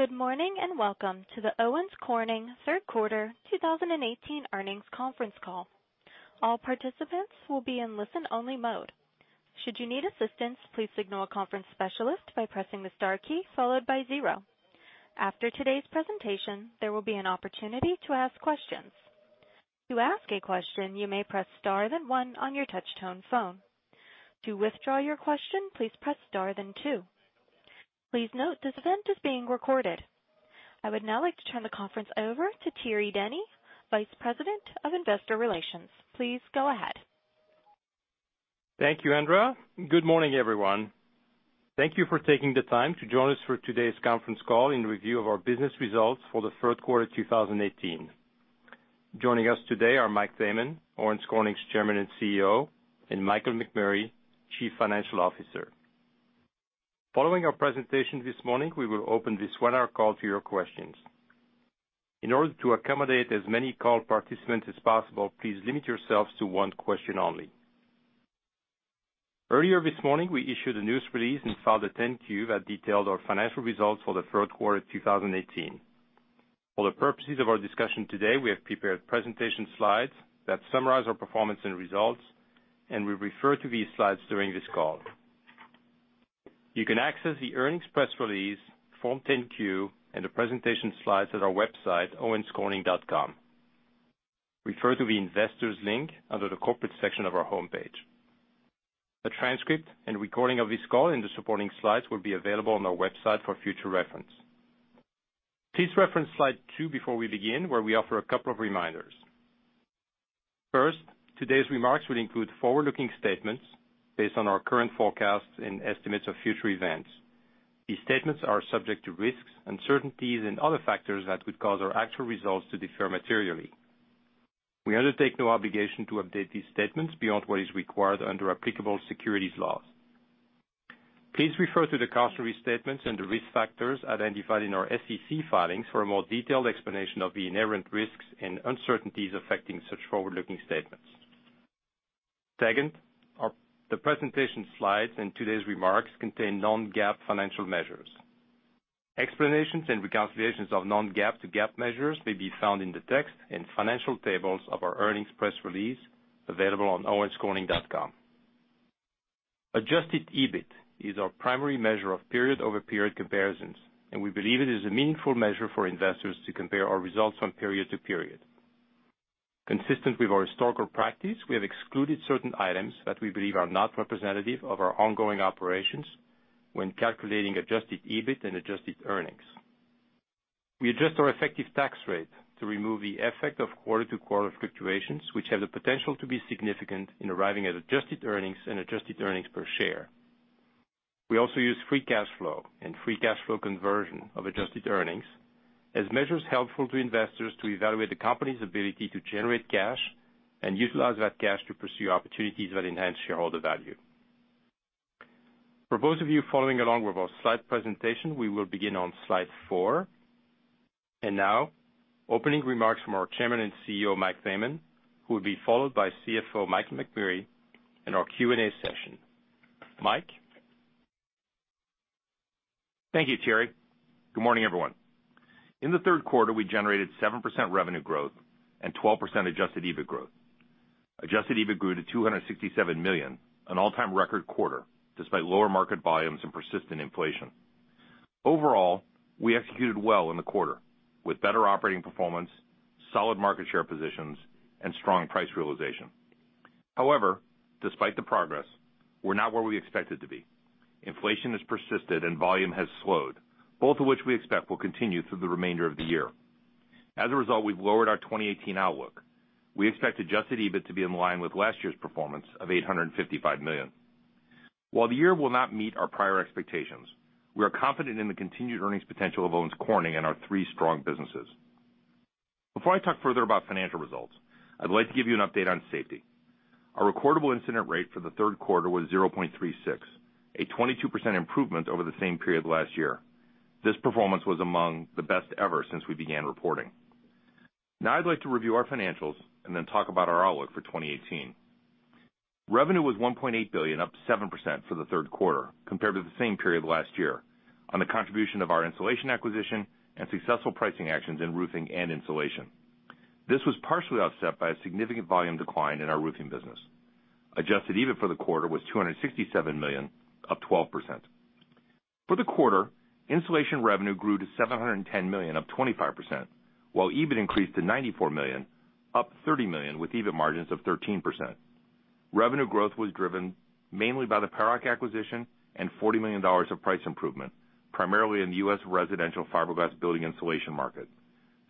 Good morning and welcome to the Owens Corning Third Quarter 2018 earnings conference call. All participants will be in listen-only mode. Should you need assistance, please signal a conference specialist by pressing the star key followed by zero. After today's presentation, there will be an opportunity to ask questions. To ask a question, you may press star then one on your touch-tone phone. To withdraw your question, please press star then two. Please note this event is being recorded. I would now like to turn the conference over to Thierry Denis, Vice President of Investor Relations. Please go ahead. Thank you, Andrea. Good morning, everyone. Thank you for taking the time to join us for today's conference call in review of our business results for the Third Quarter 2018. Joining us today are Mike Thaman, Owens Corning's Chairman and CEO, and Michael McMurray, Chief Financial Officer. Following our presentation this morning, we will open this webinar call to your questions. In order to accommodate as many call participants as possible, please limit yourselves to one question only. Earlier this morning, we issued a news release and filed a 10-Q that detailed our financial results for the Third Quarter 2018. For the purposes of our discussion today, we have prepared presentation slides that summarize our performance and results, and we'll refer to these slides during this call. You can access the earnings press release, Form 10-Q, and the presentation slides at our website, owenscorning.com. Refer to the investors' link under the corporate section of our homepage. A transcript and recording of this call and the supporting slides will be available on our website for future reference. Please reference slide two before we begin, where we offer a couple of reminders. First, today's remarks will include forward-looking statements based on our current forecasts and estimates of future events. These statements are subject to risks, uncertainties, and other factors that could cause our actual results to differ materially. We undertake no obligation to update these statements beyond what is required under applicable securities laws. Please refer to the cautionary statements and the risk factors identified in our SEC filings for a more detailed explanation of the inherent risks and uncertainties affecting such forward-looking statements. Second, the presentation slides and today's remarks contain non-GAAP financial measures. Explanations and reconciliations of non-GAAP to GAAP measures may be found in the text and financial tables of our earnings press release available on owenscorning.com. Adjusted EBIT is our primary measure of period-over-period comparisons, and we believe it is a meaningful measure for investors to compare our results from period to period. Consistent with our historical practice, we have excluded certain items that we believe are not representative of our ongoing operations when calculating adjusted EBIT and adjusted earnings. We adjust our effective tax rate to remove the effect of quarter-to-quarter fluctuations, which have the potential to be significant in arriving at adjusted earnings and adjusted earnings per share. We also use free cash flow and free cash flow conversion of adjusted earnings as measures helpful to investors to evaluate the company's ability to generate cash and utilize that cash to pursue opportunities that enhance shareholder value. For those of you following along with our slide presentation, we will begin on slide four. And now, opening remarks from our Chairman and CEO, Mike Thaman, who will be followed by CFO, Michael McMurray, and our Q&A session. Mike. Thank you, Thierry. Good morning, everyone. In the third quarter, we generated 7% revenue growth and 12% adjusted EBIT growth. Adjusted EBIT grew to $267 million, an all-time record quarter, despite lower market volumes and persistent inflation. Overall, we executed well in the quarter, with better operating performance, solid market share positions, and strong price realization. However, despite the progress, we're not where we expected to be. Inflation has persisted and volume has slowed, both of which we expect will continue through the remainder of the year. As a result, we've lowered our 2018 outlook. We expect adjusted EBIT to be in line with last year's performance of $855 million. While the year will not meet our prior expectations, we are confident in the continued earnings potential of Owens Corning and our three strong businesses. Before I talk further about financial results, I'd like to give you an update on safety. Our recordable incident rate for the third quarter was 0.36, a 22% improvement over the same period last year. This performance was among the best ever since we began reporting. Now, I'd like to review our financials and then talk about our outlook for 2018. Revenue was $1.8 billion, up 7% for the third quarter, compared to the same period last year, on the contribution of our Insulation acquisition and successful pricing actions in Roofing and Insulation. This was partially offset by a significant volume decline in our Roofing business. Adjusted EBIT for the quarter was $267 million, up 12%. For the quarter, insulation revenue grew to $710 million, up 25%, while EBIT increased to $94 million, up $30 million, with EBIT margins of 13%. Revenue growth was driven mainly by the Paroc acquisition and $40 million of price improvement, primarily in the U.S. residential fiberglass building Insulation market.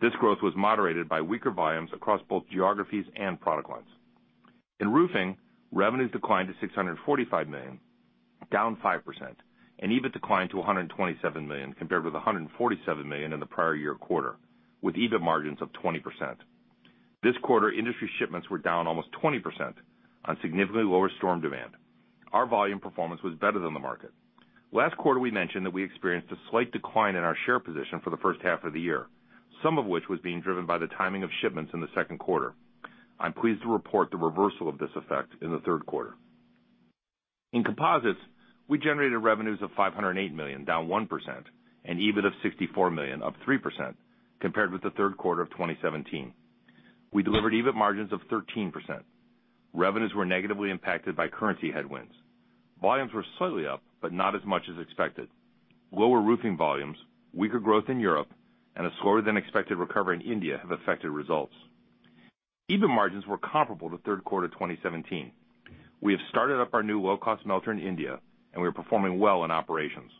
This growth was moderated by weaker volumes across both geographies and product lines. In Roofing, revenues declined to $645 million, down 5%, and EBIT declined to $127 million, compared with $147 million in the prior year quarter, with EBIT margins of 20%. This quarter, industry shipments were down almost 20% on significantly lower storm demand. Our volume performance was better than the market. Last quarter, we mentioned that we experienced a slight decline in our share position for the first half of the year, some of which was being driven by the timing of shipments in the second quarter. I'm pleased to report the reversal of this effect in the third quarter. In Composites, we generated revenues of $508 million, down 1%, and EBIT of $64 million, up 3%, compared with the third quarter of 2017. We delivered EBIT margins of 13%. Revenues were negatively impacted by currency headwinds. Volumes were slightly up, but not as much as expected. Lower Roofing volumes, weaker growth in Europe, and a slower-than-expected recovery in India have affected results. EBIT margins were comparable to third quarter 2017. We have started up our new low-cost melter in India, and we are performing well in operations.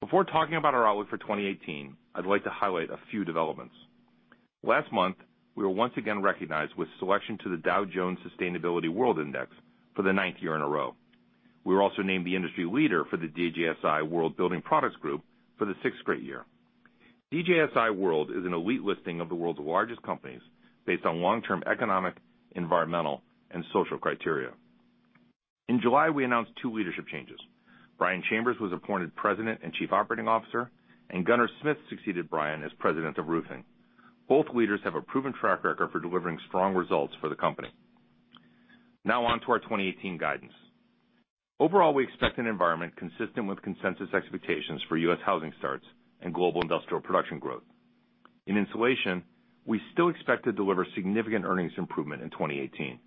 Before talking about our outlook for 2018, I'd like to highlight a few developments. Last month, we were once again recognized with selection to the Dow Jones Sustainability World Index for the ninth year in a row. We were also named the industry leader for the DJSI World Building Products Group for the sixth straight year. DJSI World is an elite listing of the world's largest companies based on long-term economic, environmental, and social criteria. In July, we announced two leadership changes. Brian Chambers was appointed President and Chief Operating Officer, and Gunner Smith succeeded Brian as President of Roofing. Both leaders have a proven track record for delivering strong results for the company. Now, on to our 2018 guidance. Overall, we expect an environment consistent with consensus expectations for U.S. housing starts and global industrial production growth. In Insulation, we still expect to deliver significant earnings improvement in 2018.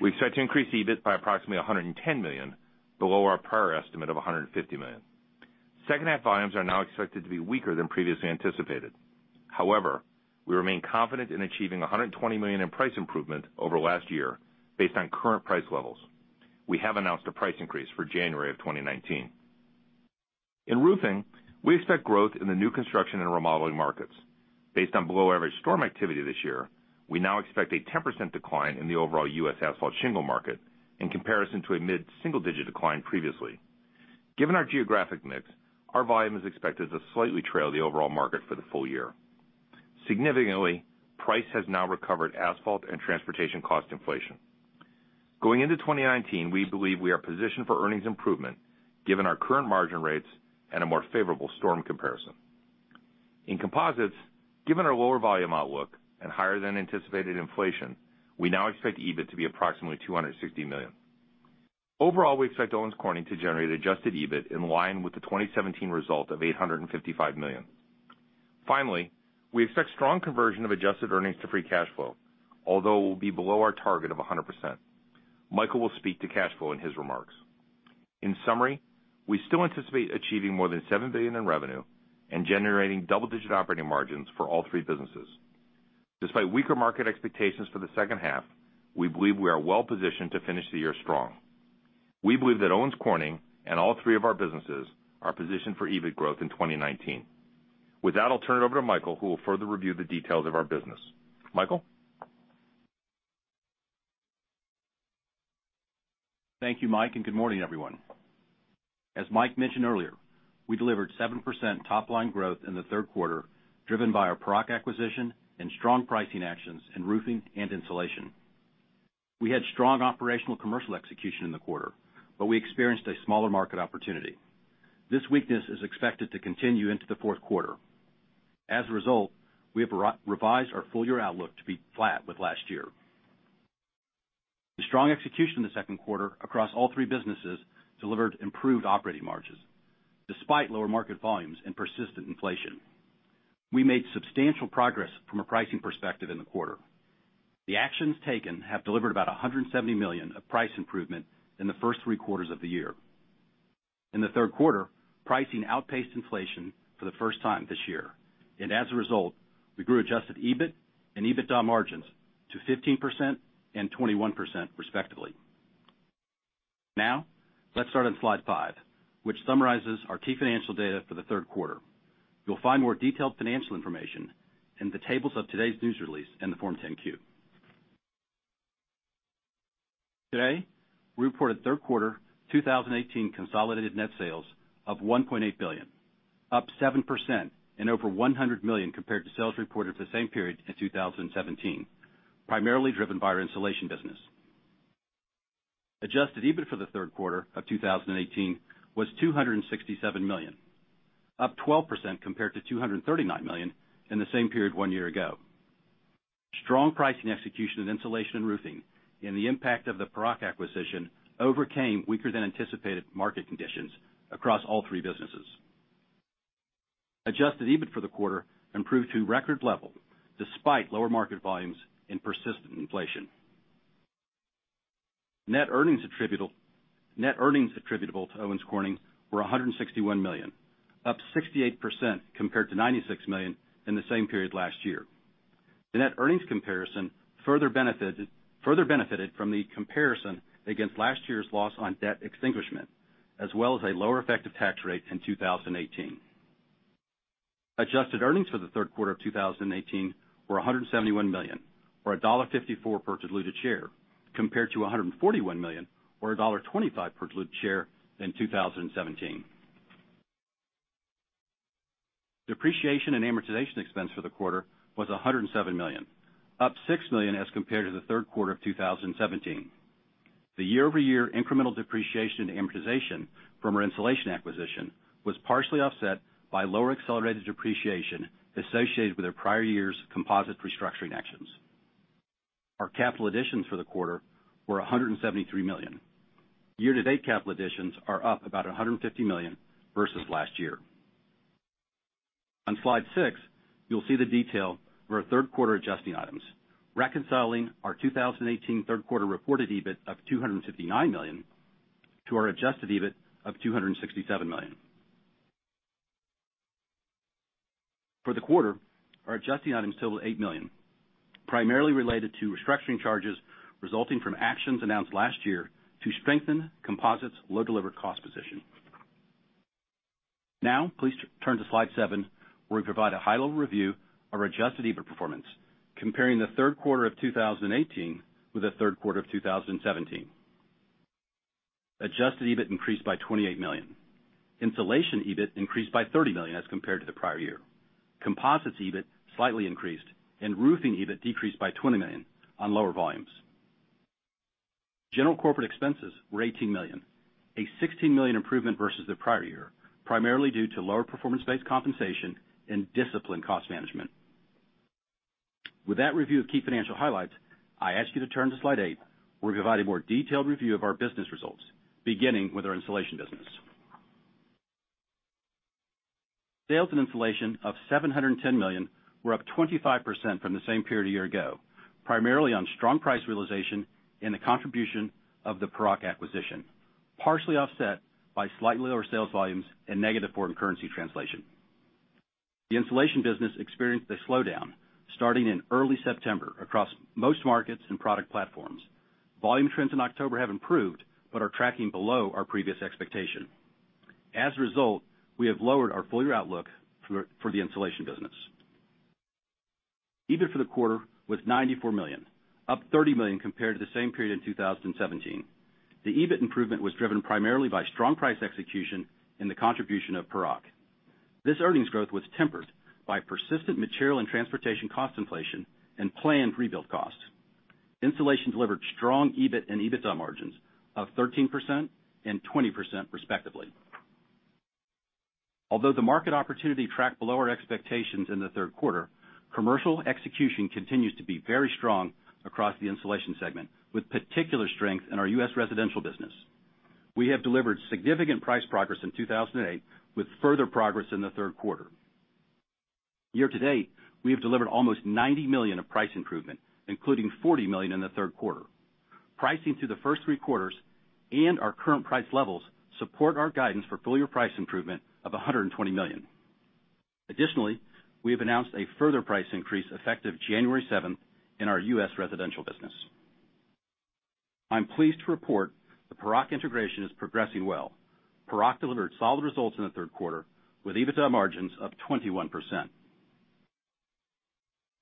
We expect to increase EBIT by approximately $110 million, below our prior estimate of $150 million. Second-half volumes are now expected to be weaker than previously anticipated. However, we remain confident in achieving $120 million in price improvement over last year based on current price levels. We have announced a price increase for January of 2019. In Roofing, we expect growth in the new construction and remodeling markets. Based on below-average storm activity this year, we now expect a 10% decline in the overall U.S. asphalt shingle market in comparison to a mid-single-digit decline previously. Given our geographic mix, our volume is expected to slightly trail the overall market for the full year. Significantly, price has now recovered asphalt and transportation cost inflation. Going into 2019, we believe we are positioned for earnings improvement given our current margin rates and a more favorable storm comparison. In Composites, given our lower volume outlook and higher-than-anticipated inflation, we now expect EBIT to be approximately $260 million. Overall, we expect Owens Corning to generate adjusted EBIT in line with the 2017 result of $855 million. Finally, we expect strong conversion of adjusted earnings to free cash flow, although it will be below our target of 100%. Michael will speak to cash flow in his remarks. In summary, we still anticipate achieving more than $7 billion in revenue and generating double-digit operating margins for all three businesses. Despite weaker market expectations for the second half, we believe we are well-positioned to finish the year strong. We believe that Owens Corning and all three of our businesses are positioned for EBIT growth in 2019. With that, I'll turn it over to Michael, who will further review the details of our business. Michael? Thank you, Mike, and good morning, everyone. As Mike mentioned earlier, we delivered 7% top-line growth in the third quarter, driven by our Paroc acquisition and strong pricing actions in Roofing and Insulation. We had strong operational commercial execution in the quarter, but we experienced a smaller market opportunity. This weakness is expected to continue into the fourth quarter. As a result, we have revised our full-year outlook to be flat with last year. The strong execution in the second quarter across all three businesses delivered improved operating margins, despite lower market volumes and persistent inflation. We made substantial progress from a pricing perspective in the quarter. The actions taken have delivered about $170 million of price improvement in the first three quarters of the year. In the third quarter, pricing outpaced inflation for the first time this year. And as a result, we grew adjusted EBIT and EBIT margins to 15% and 21%, respectively. Now, let's start on slide five, which summarizes our key financial data for the third quarter. You'll find more detailed financial information in the tables of today's news release and the 10-Q. Today, we reported third quarter 2018 consolidated net sales of $1.8 billion, up 7% and over $100 million compared to sales reported for the same period in 2017, primarily driven by our Insulation business. Adjusted EBIT for the third quarter of 2018 was $267 million, up 12% compared to $239 million in the same period one year ago. Strong pricing execution of Insulation and Roofing and the impact of the Paroc acquisition overcame weaker-than-anticipated market conditions across all three businesses. Adjusted EBIT for the quarter improved to record level, despite lower market volumes and persistent inflation. Net earnings attributable to Owens Corning were 161 million, up 68% compared to 96 million in the same period last year. The net earnings comparison further benefited from the comparison against last year's loss on debt extinguishment, as well as a lower effective tax rate in 2018. Adjusted earnings for the third quarter of 2018 were 171 million, or $1.54 per diluted share, compared to 141 million, or $1.25 per diluted share in 2017. Depreciation and amortization expense for the quarter was 107 million, up 6 million as compared to the third quarter of 2017. The year-over-year incremental depreciation and amortization from our Insulation acquisition was partially offset by lower accelerated depreciation associated with our prior year's composite restructuring actions. Our capital additions for the quarter were 173 million. Year-to-date capital additions are up about 150 million versus last year. On Slide 6, you'll see the detail of our third quarter adjusting items, reconciling our 2018 third quarter reported EBIT of $259 million to our adjusted EBIT of $267 million. For the quarter, our adjusting items totaled $8 million, primarily related to restructuring charges resulting from actions announced last year to strengthen Composites' low delivered cost position. Now, please turn to Slide 7, where we provide a high-level review of our adjusted EBIT performance, comparing the third quarter of 2018 with the third quarter of 2017. Adjusted EBIT increased by $28 million. Insulation EBIT increased by $30 million as compared to the prior year. Composites' EBIT slightly increased, and Roofing EBIT decreased by $20 million on lower volumes. General corporate expenses were $18 million, a $16 million improvement versus the prior year, primarily due to lower performance-based compensation and disciplined cost management. With that review of key financial highlights, I ask you to turn to slide eight, where we provide a more detailed review of our business results, beginning with our Insulation business. Sales in Insulation of $710 million were up 25% from the same period a year ago, primarily on strong price realization and the contribution of the Paroc acquisition, partially offset by slightly lower sales volumes and negative foreign currency translation. The Insulation business experienced a slowdown, starting in early September across most markets and product platforms. Volume trends in October have improved but are tracking below our previous expectation. As a result, we have lowered our full-year outlook for the Insulation business. EBIT for the quarter was $94 million, up $30 million compared to the same period in 2017. The EBIT improvement was driven primarily by strong price execution and the contribution of Paroc. This earnings growth was tempered by persistent material and transportation cost inflation and planned rebuild costs. Insulation delivered strong EBIT and EBIT margins of 13% and 20%, respectively. Although the market opportunity tracked below our expectations in the third quarter, commercial execution continues to be very strong across the Insulation segment, with particular strength in our U.S. residential business. We have delivered significant price progress in 2018, with further progress in the third quarter. Year to date, we have delivered almost $90 million of price improvement, including $40 million in the third quarter. Pricing through the first three quarters and our current price levels support our guidance for full-year price improvement of $120 million. Additionally, we have announced a further price increase effective January 7th in our U.S. residential business. I'm pleased to report the Paroc integration is progressing well. Paroc delivered solid results in the third quarter with EBIT margins of 21%.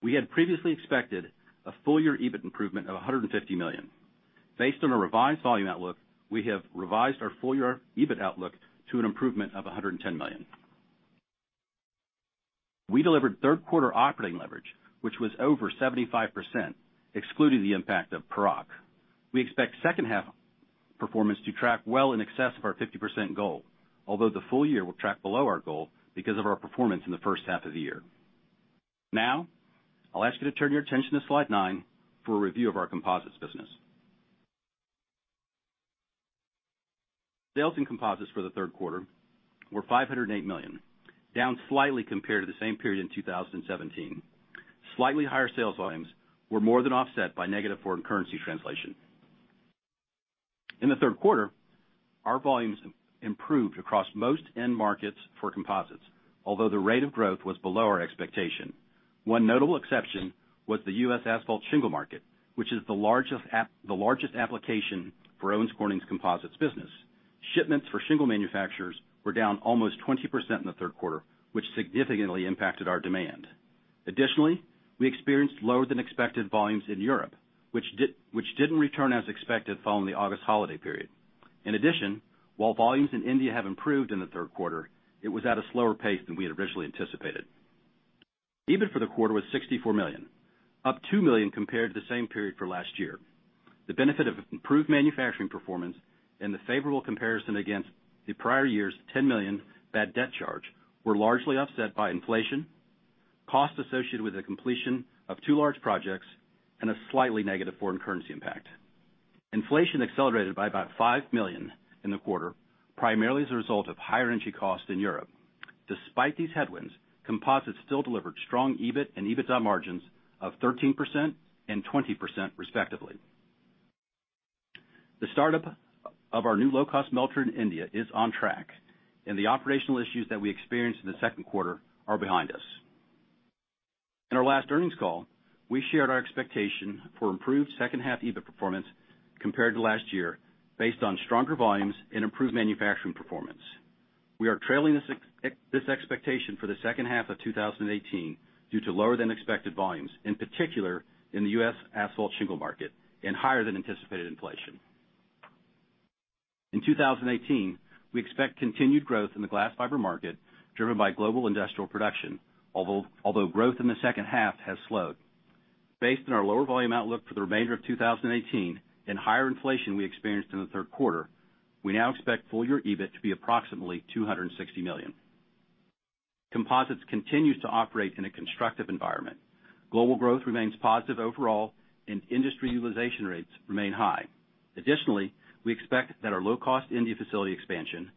We had previously expected a full-year EBIT improvement of $150 million. Based on a revised volume outlook, we have revised our full-year EBIT outlook to an improvement of $110 million. We delivered third quarter operating leverage, which was over 75%, excluding the impact of Paroc. We expect second-half performance to track well in excess of our 50% goal, although the full year will track below our goal because of our performance in the first half of the year. Now, I'll ask you to turn your attention to slide nine for a review of our Composites business. Sales and Composites for the third quarter were $508 million, down slightly compared to the same period in 2017. Slightly higher sales volumes were more than offset by negative foreign currency translation. In the third quarter, our volumes improved across most end markets for Composites, although the rate of growth was below our expectation. One notable exception was the U.S. asphalt shingle market, which is the largest application for Owens Corning's Composites business. Shipments for shingle manufacturers were down almost 20% in the third quarter, which significantly impacted our demand. Additionally, we experienced lower-than-expected volumes in Europe, which didn't return as expected following the August holiday period. In addition, while volumes in India have improved in the third quarter, it was at a slower pace than we had originally anticipated. EBIT for the quarter was $64 million, up $2 million compared to the same period for last year. The benefit of improved manufacturing performance and the favorable comparison against the prior year's $10 million bad debt charge were largely offset by inflation, costs associated with the completion of two large projects, and a slightly negative foreign currency impact. Inflation accelerated by about $5 million in the quarter, primarily as a result of higher energy costs in Europe. Despite these headwinds, Composites still delivered strong EBIT and EBIT margins of 13% and 20%, respectively. The startup of our new low-cost melter in India is on track, and the operational issues that we experienced in the second quarter are behind us. In our last earnings call, we shared our expectation for improved second-half EBIT performance compared to last year based on stronger volumes and improved manufacturing performance. We are trailing this expectation for the second half of 2018 due to lower-than-expected volumes, in particular in the U.S. asphalt shingle market, and higher-than-anticipated inflation. In 2018, we expect continued growth in the glass fiber market driven by global industrial production, although growth in the second half has slowed. Based on our lower volume outlook for the remainder of 2018 and higher inflation we experienced in the third quarter, we now expect full-year EBIT to be approximately $260 million. Composites continues to operate in a constructive environment. Global growth remains positive overall, and industry utilization rates remain high. Additionally, we expect that our low-cost India facility expansion,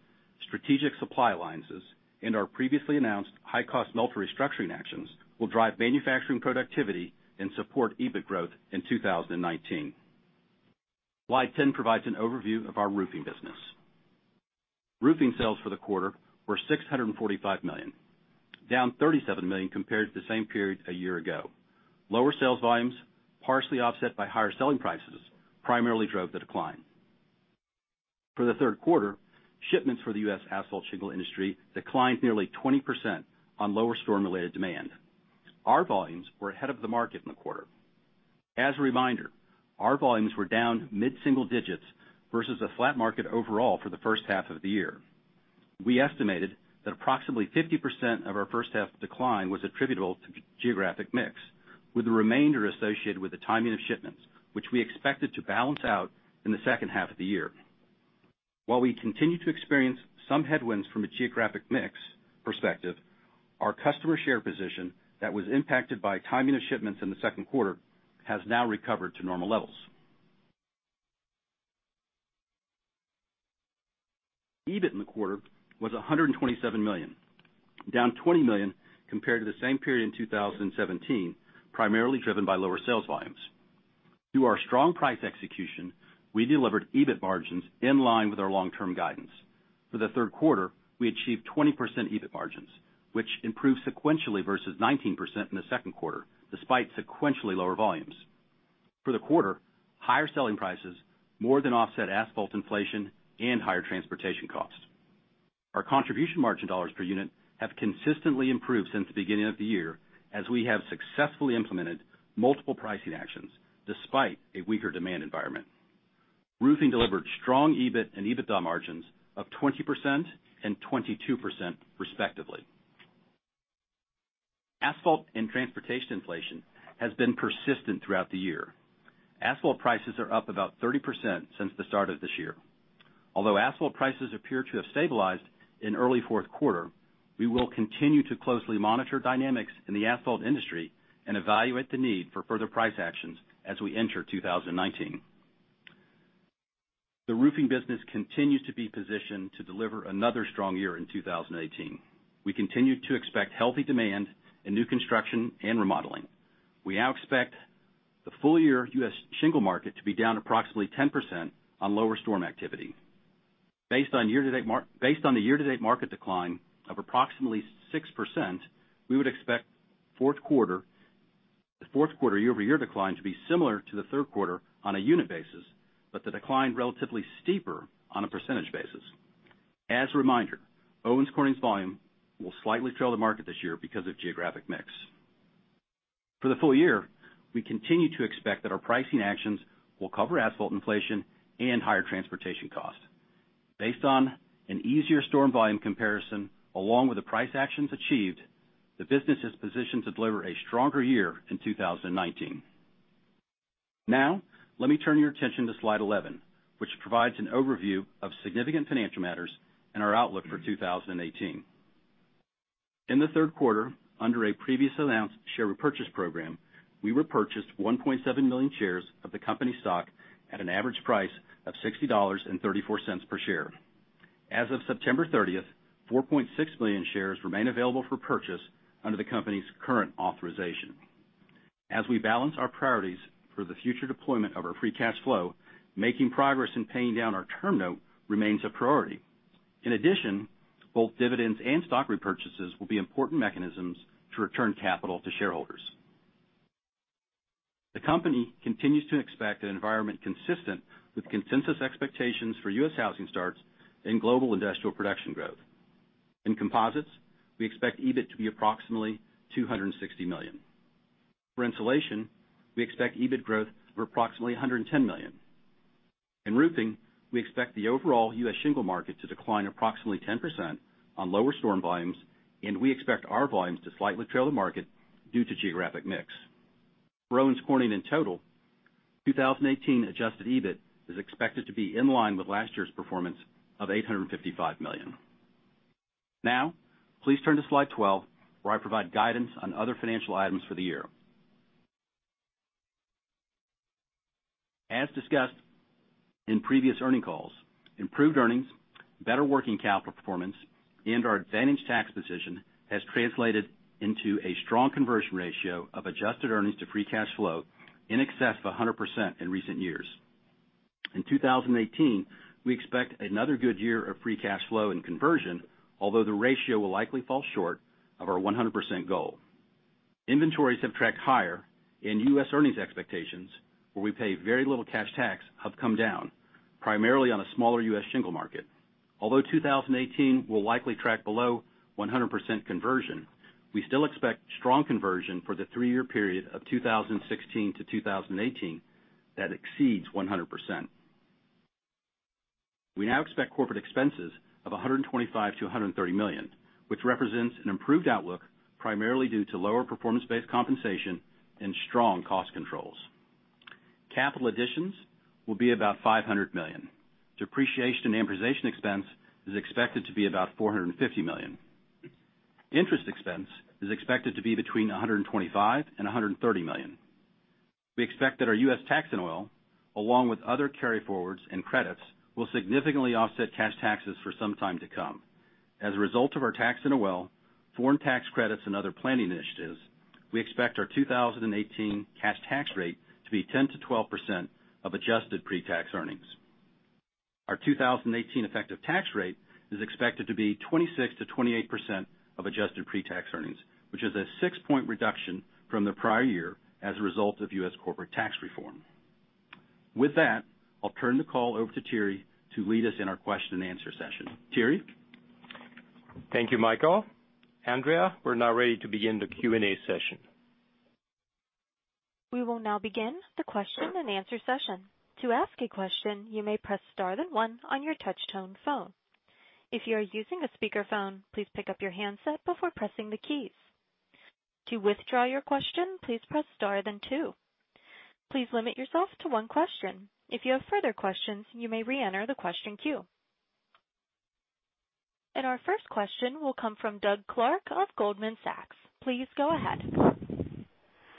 strategic supply alliances, and our previously announced high-cost melter restructuring actions will drive manufacturing productivity and support EBIT growth in 2019. Slide 10 provides an overview of our Roofing business. Roofing sales for the quarter were $645 million, down $37 million compared to the same period a year ago. Lower sales volumes, partially offset by higher selling prices, primarily drove the decline. For the third quarter, shipments for the U.S. asphalt shingle industry declined nearly 20% on lower storm-related demand. Our volumes were ahead of the market in the quarter. As a reminder, our volumes were down mid-single digits versus a flat market overall for the first half of the year. We estimated that approximately 50% of our first-half decline was attributable to geographic mix, with the remainder associated with the timing of shipments, which we expected to balance out in the second half of the year. While we continue to experience some headwinds from a geographic mix perspective, our customer share position that was impacted by timing of shipments in the second quarter has now recovered to normal levels. EBIT in the quarter was $127 million, down $20 million compared to the same period in 2017, primarily driven by lower sales volumes. Through our strong price execution, we delivered EBIT margins in line with our long-term guidance. For the third quarter, we achieved 20% EBIT margins, which improved sequentially versus 19% in the second quarter, despite sequentially lower volumes. For the quarter, higher selling prices more than offset asphalt inflation and higher transportation costs. Our contribution margin dollars per unit have consistently improved since the beginning of the year as we have successfully implemented multiple pricing actions despite a weaker demand environment. Roofing delivered strong EBIT and EBIT margins of 20% and 22%, respectively. Asphalt and transportation inflation has been persistent throughout the year. Asphalt prices are up about 30% since the start of this year. Although asphalt prices appear to have stabilized in early fourth quarter, we will continue to closely monitor dynamics in the asphalt industry and evaluate the need for further price actions as we enter 2019. The Roofing business continues to be positioned to deliver another strong year in 2018. We continue to expect healthy demand and new construction and remodeling. We now expect the full-year U.S. shingle market to be down approximately 10% on lower storm activity. Based on the year-to-date market decline of approximately 6%, we would expect the fourth quarter year-over-year decline to be similar to the third quarter on a unit basis, but the decline relatively steeper on a percentage basis. As a reminder, Owens Corning's volume will slightly trail the market this year because of geographic mix. For the full year, we continue to expect that our pricing actions will cover asphalt inflation and higher transportation costs. Based on an easier storm volume comparison along with the price actions achieved, the business is positioned to deliver a stronger year in 2019. Now, let me turn your attention to slide 11, which provides an overview of significant financial matters and our outlook for 2018. In the third quarter, under a previously announced share repurchase program, we repurchased 1.7 million shares of the company stock at an average price of $60.34 per share. As of September 30th, 4.6 million shares remain available for purchase under the company's current authorization. As we balance our priorities for the future deployment of our free cash flow, making progress in paying down our term note remains a priority. In addition, both dividends and stock repurchases will be important mechanisms to return capital to shareholders. The company continues to expect an environment consistent with consensus expectations for U.S. housing starts and global industrial production growth. In Composites, we expect EBIT to be approximately $260 million. For Insulation, we expect EBIT growth of approximately $110 million. In Roofing, we expect the overall U.S. shingle market to decline approximately 10% on lower storm volumes, and we expect our volumes to slightly trail the market due to geographic mix. For Owens Corning in total, 2018 adjusted EBIT is expected to be in line with last year's performance of $855 million. Now, please turn to slide 12, where I provide guidance on other financial items for the year. As discussed in previous earnings calls, improved earnings, better working capital performance, and our Georgia tax position has translated into a strong conversion ratio of adjusted earnings to free cash flow in excess of 100% in recent years. In 2018, we expect another good year of free cash flow and conversion, although the ratio will likely fall short of our 100% goal. Inventories have tracked higher, and U.S. earnings expectations, where we pay very little cash tax, have come down, primarily on a smaller U.S. shingle market. Although 2018 will likely track below 100% conversion, we still expect strong conversion for the three-year period of 2016 to 2018 that exceeds 100%. We now expect corporate expenses of $125 million-$130 million, which represents an improved outlook primarily due to lower performance-based compensation and strong cost controls. Capital additions will be about $500 million. Depreciation and amortization expense is expected to be about $450 million. Interest expense is expected to be between $125 and $130 million. We expect that our U.S. tax NOL, along with other carryforwards and credits, will significantly offset cash taxes for some time to come. As a result of our tax NOL, foreign tax credits, and other planning initiatives, we expect our 2018 cash tax rate to be 10%-12% of adjusted pre-tax earnings. Our 2018 effective tax rate is expected to be 26%-28% of adjusted pre-tax earnings, which is a six-point reduction from the prior year as a result of U.S. corporate tax reform. With that, I'll turn the call over to Thierry to lead us in our question and answer session. Thierry? Thank you, Michael. Andrea, we're now ready to begin the Q&A session. We will now begin the question and answer session. To ask a question, you may press star then one on your touch-tone phone. If you are using a speakerphone, please pick up your handset before pressing the keys. To withdraw your question, please press star then two. Please limit yourself to one question. If you have further questions, you may re-enter the question queue. Our first question will come from Doug Clark of Goldman Sachs. Please go ahead.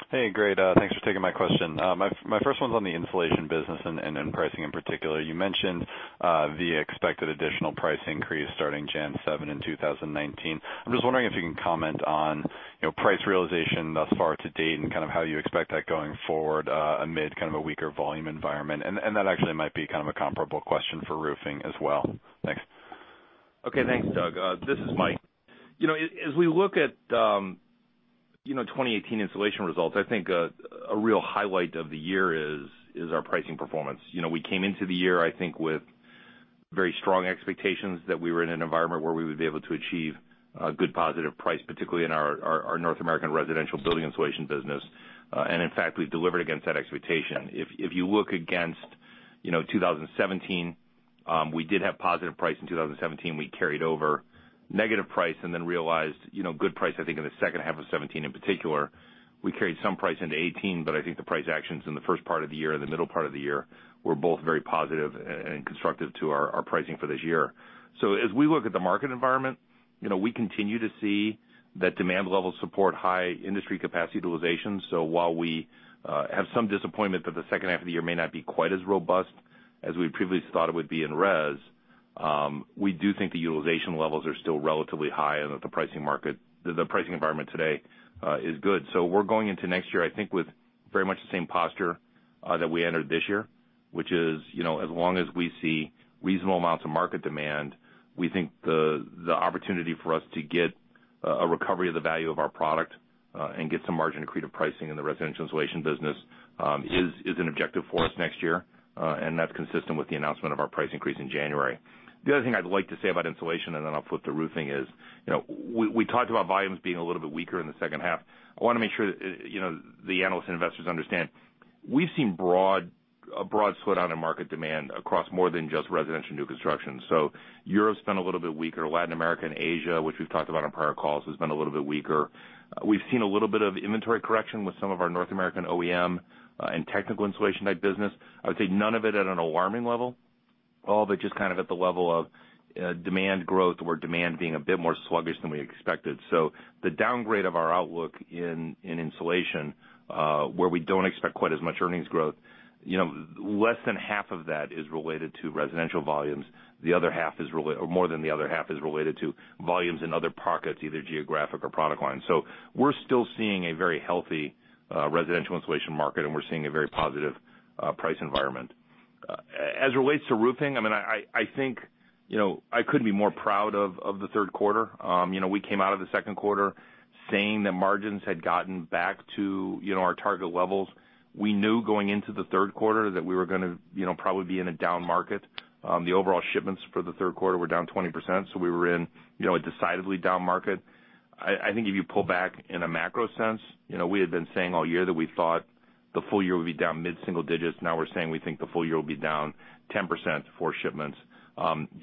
Hey, great. Thanks for taking my question. My first one's on the Insulation business and pricing in particular. You mentioned the expected additional price increase starting January 7, 2019. I'm just wondering if you can comment on price realization thus far to date and kind of how you expect that going forward amid kind of a weaker volume environment. And that actually might be kind of a comparable question for Roofing as well. Thanks. Okay. Thanks, Doug. This is Mike. As we look at 2018 Insulation results, I think a real highlight of the year is our pricing performance. We came into the year, I think, with very strong expectations that we were in an environment where we would be able to achieve a good positive price, particularly in our North American residential building Insulation business, and in fact, we delivered against that expectation. If you look against 2017, we did have positive price in 2017. We carried over negative price and then realized good price, I think, in the second half of 2017 in particular. We carried some price into 2018, but I think the price actions in the first part of the year and the middle part of the year were both very positive and constructive to our pricing for this year. So as we look at the market environment, we continue to see that demand levels support high industry capacity utilization. So while we have some disappointment that the second half of the year may not be quite as robust as we previously thought it would be in Res, we do think the utilization levels are still relatively high and that the pricing environment today is good. So we're going into next year, I think, with very much the same posture that we entered this year, which is as long as we see reasonable amounts of market demand, we think the opportunity for us to get a recovery of the value of our product and get some margin-accretive pricing in the residential Insulation business is an objective for us next year. And that's consistent with the announcement of our price increase in January. The other thing I'd like to say about Insulation, and then I'll flip to Roofing, is we talked about volumes being a little bit weaker in the second half. I want to make sure the analysts and investors understand we've seen a broad slowdown in market demand across more than just residential new construction. So Europe's been a little bit weaker. Latin America and Asia, which we've talked about in prior calls, has been a little bit weaker. We've seen a little bit of inventory correction with some of our North American OEM and technical Insulation type business. I would say none of it at an alarming level, all but just kind of at the level of demand growth, where demand being a bit more sluggish than we expected. The downgrade of our outlook in Insulation, where we don't expect quite as much earnings growth, less than half of that is related to residential volumes. The other half is related to volumes in other pockets, either geographic or product lines. We're still seeing a very healthy residential Insulation market, and we're seeing a very positive price environment. As it relates to Roofing, I mean, I think I couldn't be more proud of the third quarter. We came out of the second quarter saying that margins had gotten back to our target levels. We knew going into the third quarter that we were going to probably be in a down market. The overall shipments for the third quarter were down 20%, so we were in a decidedly down market. I think if you pull back in a macro sense, we had been saying all year that we thought the full year would be down mid-single digits. Now we're saying we think the full year will be down 10% for shipments.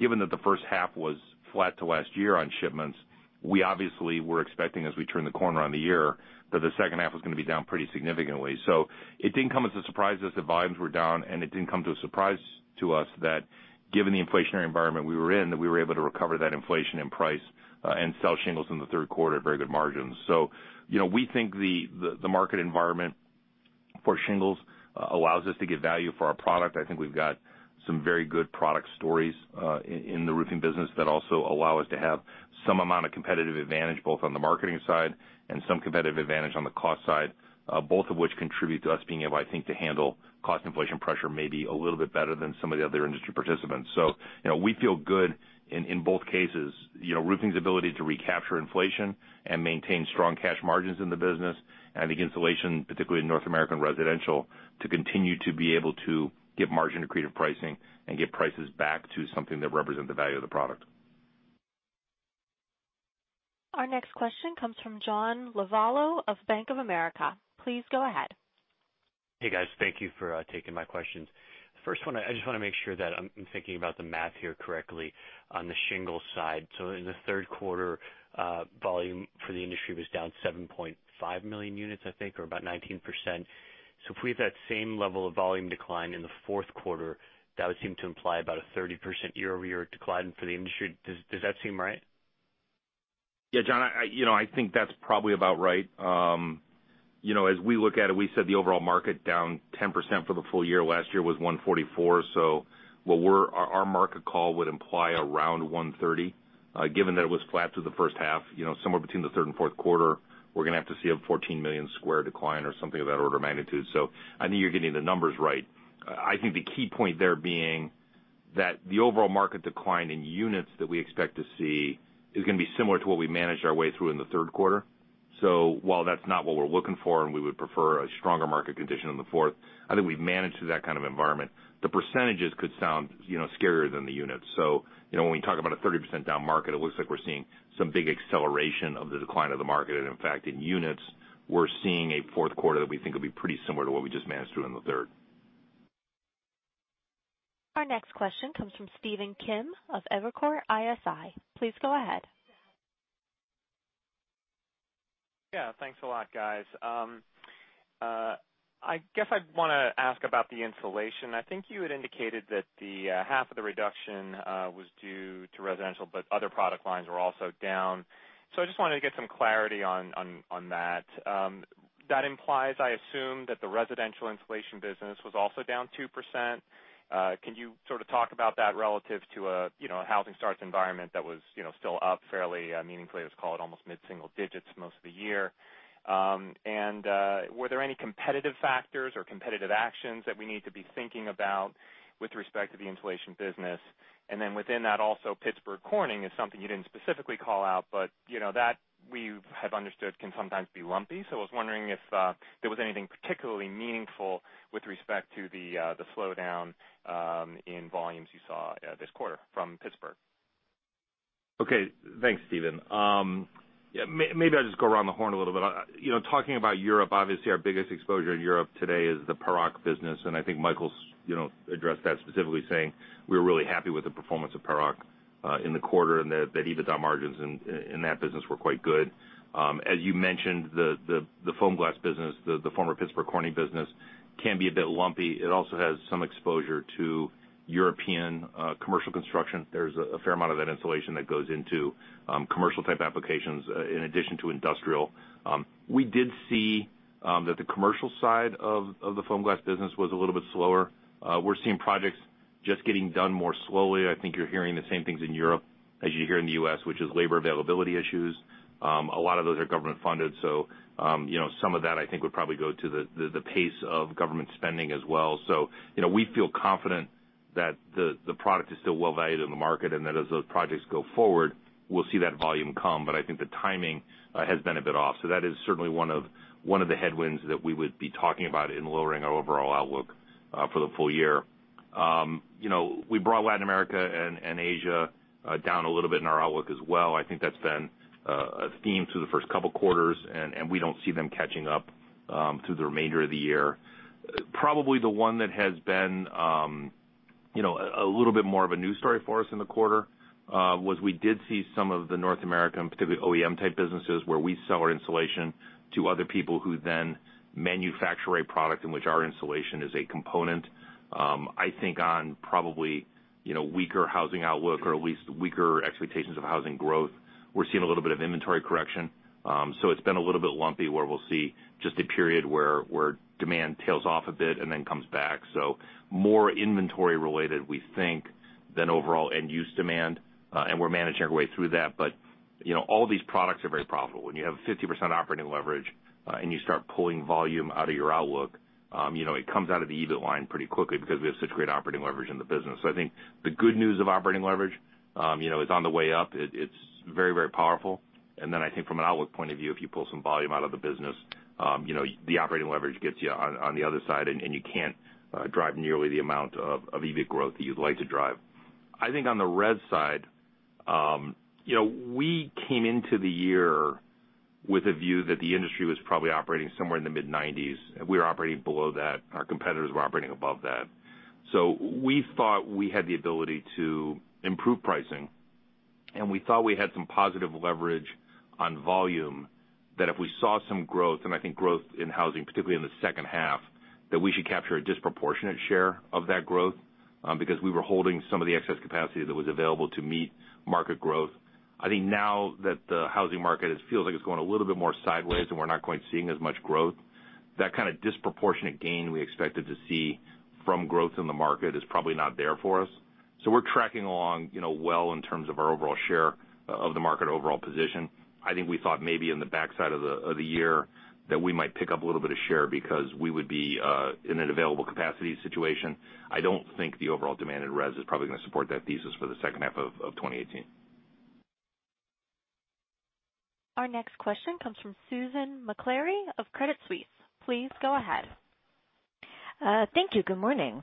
Given that the first half was flat to last year on shipments, we obviously were expecting, as we turn the corner on the year, that the second half was going to be down pretty significantly. So it didn't come as a surprise as the volumes were down, and it didn't come as a surprise to us that given the inflationary environment we were in, that we were able to recover that inflation in price and sell shingles in the third quarter at very good margins. So we think the market environment for shingles allows us to give value for our product. I think we've got some very good product stories in the Roofing business that also allow us to have some amount of competitive advantage both on the marketing side and some competitive advantage on the cost side, both of which contribute to us being able, I think, to handle cost inflation pressure maybe a little bit better than some of the other industry participants. So we feel good in both cases. Roofing's ability to recapture inflation and maintain strong cash margins in the business, and I think Insulation, particularly in North American residential, to continue to be able to get margin to creative pricing and get prices back to something that represents the value of the product. Our next question comes from John Lovallo of Bank of America. Please go ahead. Hey, guys. Thank you for taking my questions. The first one, I just want to make sure that I'm thinking about the math here correctly on the shingle side. So in the third quarter, volume for the industry was down 7.5 million units, I think, or about 19%. So if we have that same level of volume decline in the fourth quarter, that would seem to imply about a 30% year-over-year decline for the industry. Does that seem right? Yeah, John, I think that's probably about right. As we look at it, we said the overall market down 10% for the full year. Last year was 144. So our market call would imply around 130, given that it was flat through the first half. Somewhere between the third and fourth quarter, we're going to have to see a 14 million square decline or something of that order of magnitude. So I think you're getting the numbers right. I think the key point there being that the overall market decline in units that we expect to see is going to be similar to what we managed our way through in the third quarter. So while that's not what we're looking for and we would prefer a stronger market condition in the fourth, I think we've managed through that kind of environment. The percentages could sound scarier than the units. So when we talk about a 30% down market, it looks like we're seeing some big acceleration of the decline of the market. And in fact, in units, we're seeing a fourth quarter that we think will be pretty similar to what we just managed through in the third. Our next question comes from Stephen Kim of Evercore ISI. Please go ahead. Yeah. Thanks a lot, guys. I guess I'd want to ask about the Insulation. I think you had indicated that half of the reduction was due to residential, but other product lines were also down. So I just wanted to get some clarity on that. That implies, I assume, that the residential Insulation business was also down 2%. Can you sort of talk about that relative to a housing starts environment that was still up fairly meaningfully? It was called almost mid-single digits most of the year. And were there any competitive factors or competitive actions that we need to be thinking about with respect to the Insulation business? And then within that, also, Pittsburgh Corning is something you didn't specifically call out, but that, we have understood, can sometimes be lumpy. So I was wondering if there was anything particularly meaningful with respect to the slowdown in volumes you saw this quarter from Pittsburgh. Okay. Thanks, Stephen. Maybe I'll just go around the horn a little bit. Talking about Europe, obviously, our biggest exposure in Europe today is the Paroc business, and I think Michael addressed that specifically, saying we were really happy with the performance of Paroc in the quarter and that even though margins in that business were quite good. As you mentioned, the Foamglas business, the former Pittsburgh Corning business, can be a bit lumpy. It also has some exposure to European commercial construction. There's a fair amount of that Insulation that goes into commercial-type applications in addition to industrial. We did see that the commercial side of the Foamglas business was a little bit slower. We're seeing projects just getting done more slowly. I think you're hearing the same things in Europe as you hear in the U.S., which is labor availability issues. A lot of those are government-funded. So some of that, I think, would probably go to the pace of government spending as well. So we feel confident that the product is still well-valued in the market and that as those projects go forward, we'll see that volume come. But I think the timing has been a bit off. So that is certainly one of the headwinds that we would be talking about in lowering our overall outlook for the full year. We brought Latin America and Asia down a little bit in our outlook as well. I think that's been a theme through the first couple of quarters, and we don't see them catching up through the remainder of the year. Probably the one that has been a little bit more of a news story for us in the quarter was we did see some of the North American, particularly OEM-type businesses, where we sell our Insulation to other people who then manufacture a product in which our Insulation is a component. I think on probably weaker housing outlook or at least weaker expectations of housing growth, we're seeing a little bit of inventory correction, so it's been a little bit lumpy where we'll see just a period where demand tails off a bit and then comes back, so more inventory-related, we think, than overall end-use demand, and we're managing our way through that, but all these products are very profitable. When you have 50% operating leverage and you start pulling volume out of your outlook, it comes out of the EBIT line pretty quickly because we have such great operating leverage in the business. So I think the good news of operating leverage is on the way up. It's very, very powerful. And then I think from an outlook point of view, if you pull some volume out of the business, the operating leverage gets you on the other side, and you can't drive nearly the amount of EBIT growth that you'd like to drive. I think on the Res side, we came into the year with a view that the industry was probably operating somewhere in the mid-90s%. We were operating below that. Our competitors were operating above that. So we thought we had the ability to improve pricing, and we thought we had some positive leverage on volume that if we saw some growth, and I think growth in housing, particularly in the second half, that we should capture a disproportionate share of that growth because we were holding some of the excess capacity that was available to meet market growth. I think now that the housing market feels like it's going a little bit more sideways and we're not quite seeing as much growth, that kind of disproportionate gain we expected to see from growth in the market is probably not there for us. So we're tracking along well in terms of our overall share of the market overall position. I think we thought maybe in the backside of the year that we might pick up a little bit of share because we would be in an available capacity situation. I don't think the overall demand in Res is probably going to support that thesis for the second half of 2018. Our next question comes from Susan Maklari of Credit Suisse. Please go ahead. Thank you. Good morning.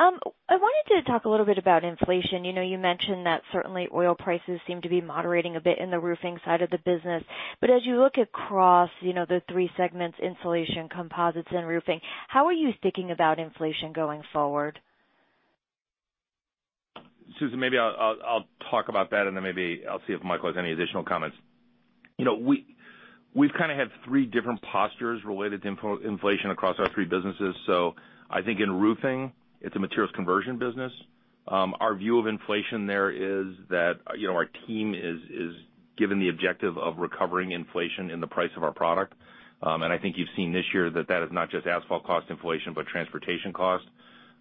I wanted to talk a little bit about inflation. You mentioned that certainly oil prices seem to be moderating a bit in the Roofing side of the business. But as you look across the three segments, Insulation, Composites, and Roofing, how are you thinking about inflation going forward? Susan, maybe I'll talk about that, and then maybe I'll see if Michael has any additional comments. We've kind of had three different postures related to inflation across our three businesses. So I think in Roofing, it's a materials conversion business. Our view of inflation there is that our team is given the objective of recovering inflation in the price of our product. And I think you've seen this year that that is not just asphalt cost inflation, but transportation cost.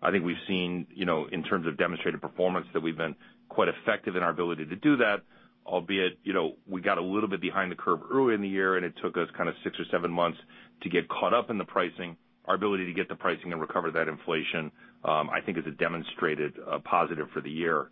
I think we've seen, in terms of demonstrated performance, that we've been quite effective in our ability to do that, albeit we got a little bit behind the curve earlier in the year, and it took us kind of six or seven months to get caught up in the pricing. Our ability to get the pricing and recover that inflation, I think, has demonstrated a positive for the year.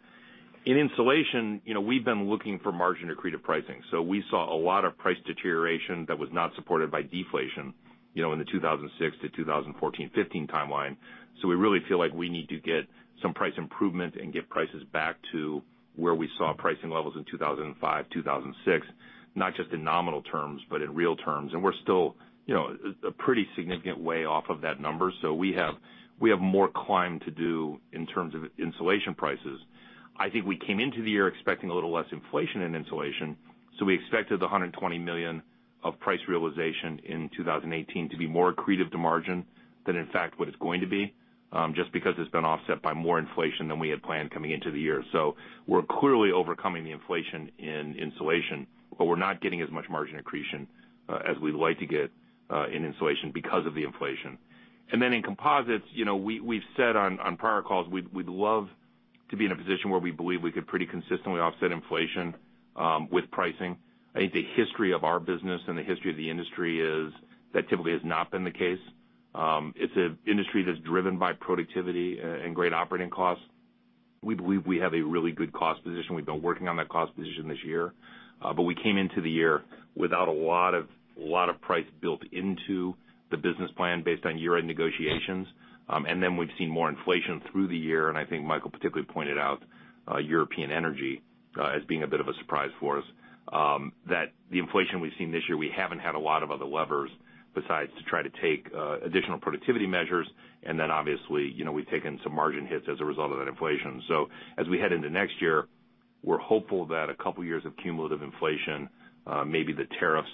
In Insulation, we've been looking for margin-accretive pricing. So we saw a lot of price deterioration that was not supported by deflation in the 2006 to 2014, 2015 timeline. So we really feel like we need to get some price improvement and get prices back to where we saw pricing levels in 2005, 2006, not just in nominal terms, but in real terms. And we're still a pretty significant way off of that number. So we have more climb to do in terms of Insulation prices. I think we came into the year expecting a little less inflation in Insulation. So we expected the $120 million of price realization in 2018 to be more accretive to margin than, in fact, what it's going to be, just because it's been offset by more inflation than we had planned coming into the year. So we're clearly overcoming the inflation in Insulation, but we're not getting as much margin accretion as we'd like to get in Insulation because of the inflation. And then in Composites, we've said on prior calls, we'd love to be in a position where we believe we could pretty consistently offset inflation with pricing. I think the history of our business and the history of the industry is that typically has not been the case. It's an industry that's driven by productivity and great operating costs. We believe we have a really good cost position. We've been working on that cost position this year. But we came into the year without a lot of price built into the business plan based on year-end negotiations. And then we've seen more inflation through the year. And I think Michael particularly pointed out European energy as being a bit of a surprise for us, that the inflation we've seen this year, we haven't had a lot of other levers besides to try to take additional productivity measures. And then, obviously, we've taken some margin hits as a result of that inflation. So as we head into next year, we're hopeful that a couple of years of cumulative inflation, maybe the tariffs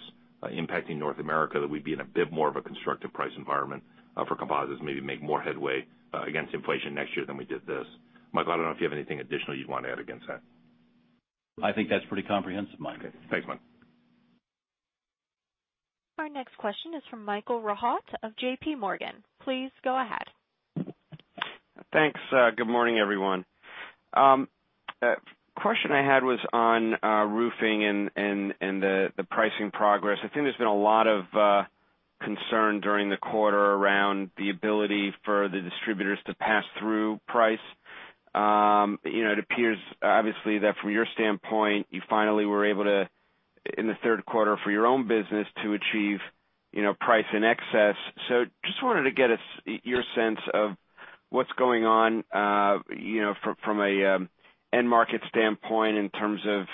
impacting North America, that we'd be in a bit more of a constructive price environment for Composites, maybe make more headway against inflation next year than we did this. Michael, I don't know if you have anything additional you'd want to add against that. I think that's pretty comprehensive, Mike. Okay. Thanks, Mike. Our next question is from Michael Rehaut of JPMorgan. Please go ahead. Thanks. Good morning, everyone. Question I had was on Roofing and the pricing progress. I think there's been a lot of concern during the quarter around the ability for the distributors to pass through price. It appears, obviously, that from your standpoint, you finally were able to, in the third quarter for your own business, to achieve price in excess. So just wanted to get your sense of what's going on from an end-market standpoint in terms of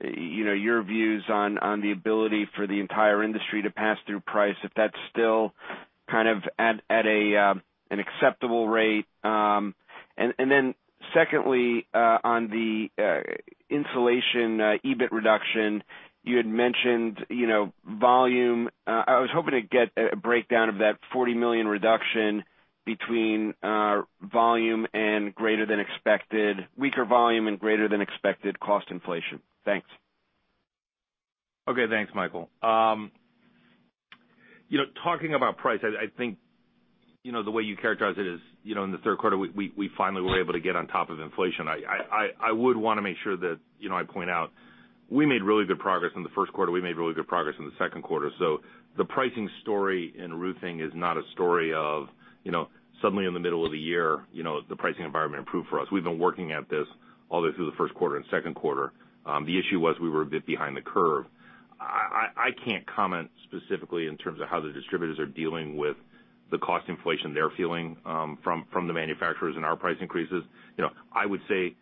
your views on the ability for the entire industry to pass through price, if that's still kind of at an acceptable rate. And then secondly, on the Insulation EBIT reduction, you had mentioned volume. I was hoping to get a breakdown of that $40 million reduction between volume and greater than expected, weaker volume and greater than expected cost inflation. Thanks. Okay. Thanks, Michael. Talking about price, I think the way you characterize it is in the third quarter, we finally were able to get on top of inflation. I would want to make sure that I point out we made really good progress in the first quarter. We made really good progress in the second quarter. So the pricing story in Roofing is not a story of suddenly in the middle of the year, the pricing environment improved for us. We've been working at this all the way through the first quarter and second quarter. The issue was we were a bit behind the curve. I can't comment specifically in terms of how the distributors are dealing with the cost inflation they're feeling from the manufacturers and our price increases. I would say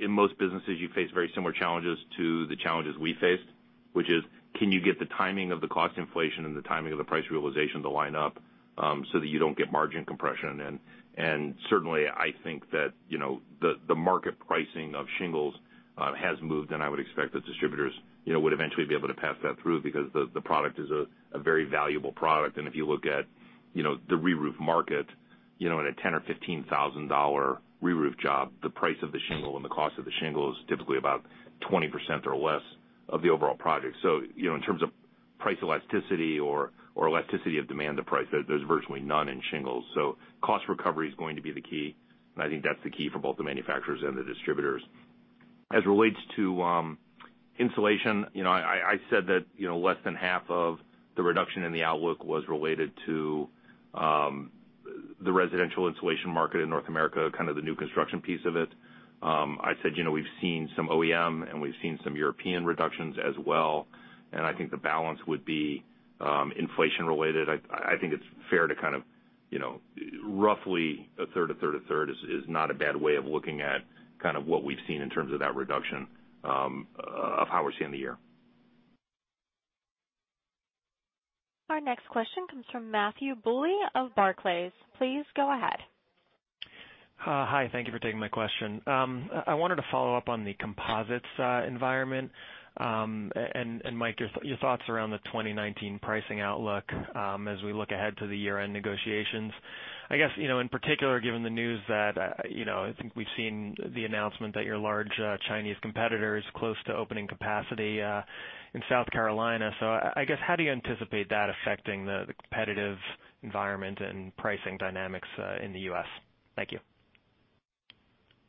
in most businesses, you face very similar challenges to the challenges we faced, which is, can you get the timing of the cost inflation and the timing of the price realization to line up so that you don't get margin compression? And certainly, I think that the market pricing of shingles has moved, and I would expect that distributors would eventually be able to pass that through because the product is a very valuable product. And if you look at the re-roof market, in a $10,000 or $15,000 re-roof job, the price of the shingle and the cost of the shingle is typically about 20% or less of the overall project. So in terms of price elasticity or elasticity of demand to price, there's virtually none in shingles. So cost recovery is going to be the key. And I think that's the key for both the manufacturers and the distributors. As it relates to Insulation, I said that less than half of the reduction in the outlook was related to the residential Insulation market in North America, kind of the new construction piece of it. I said we've seen some OEM, and we've seen some European reductions as well. And I think the balance would be inflation-related. I think it's fair to kind of roughly a third, a third, a third is not a bad way of looking at kind of what we've seen in terms of that reduction of how we're seeing the year. Our next question comes from Matthew Bouley of Barclays. Please go ahead. Hi. Thank you for taking my question. I wanted to follow up on the Composites environment and, Mike, your thoughts around the 2019 pricing outlook as we look ahead to the year-end negotiations. I guess, in particular, given the news that I think we've seen the announcement that your large Chinese competitor is close to opening capacity in South Carolina. So I guess, how do you anticipate that affecting the competitive environment and pricing dynamics in the U.S.? Thank you.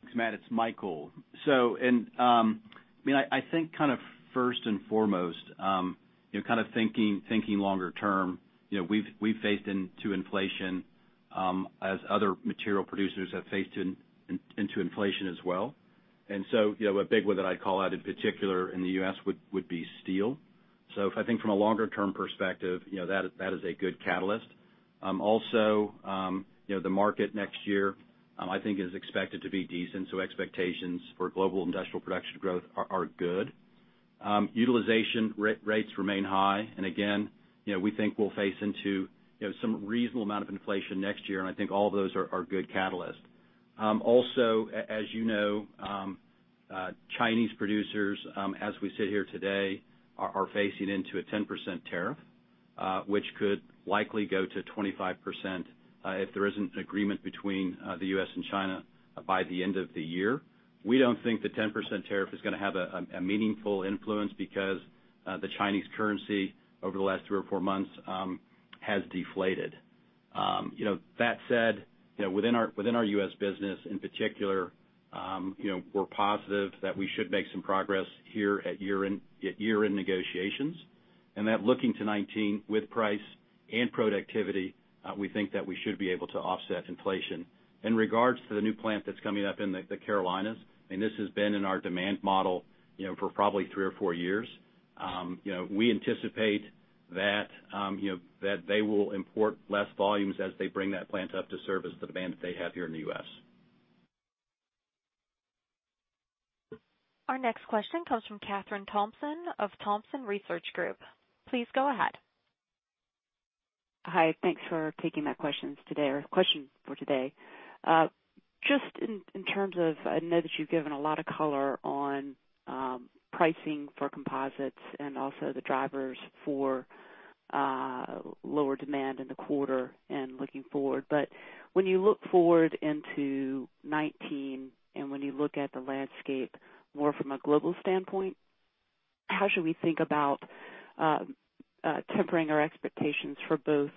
Thanks, Matt. It's Michael. So I mean, I think kind of first and foremost, kind of thinking longer term, we've faced into inflation as other material producers have faced into inflation as well. And so a big one that I'd call out in particular in the U.S. would be steel. So I think from a longer-term perspective, that is a good catalyst. Also, the market next year, I think, is expected to be decent. So expectations for global industrial production growth are good. Utilization rates remain high. And again, we think we'll face into some reasonable amount of inflation next year. And I think all of those are good catalysts. Also, as you know, Chinese producers, as we sit here today, are facing into a 10% tariff, which could likely go to 25% if there isn't an agreement between the U.S. and China by the end of the year. We don't think the 10% tariff is going to have a meaningful influence because the Chinese currency over the last three or four months has deflated. That said, within our U.S. business in particular, we're positive that we should make some progress here at year-end negotiations, and that looking to 2019 with price and productivity, we think that we should be able to offset inflation. In regards to the new plant that's coming up in the Carolinas, I mean, this has been in our demand model for probably three or four years. We anticipate that they will import less volumes as they bring that plant up to service the demand that they have here in the U.S. Our next question comes from Kathryn Thompson of Thompson Research Group. Please go ahead. Hi. Thanks for taking my questions today or question for today. Just in terms of I know that you've given a lot of color on pricing for Composites and also the drivers for lower demand in the quarter and looking forward. But when you look forward into 2019 and when you look at the landscape more from a global standpoint, how should we think about tempering our expectations for both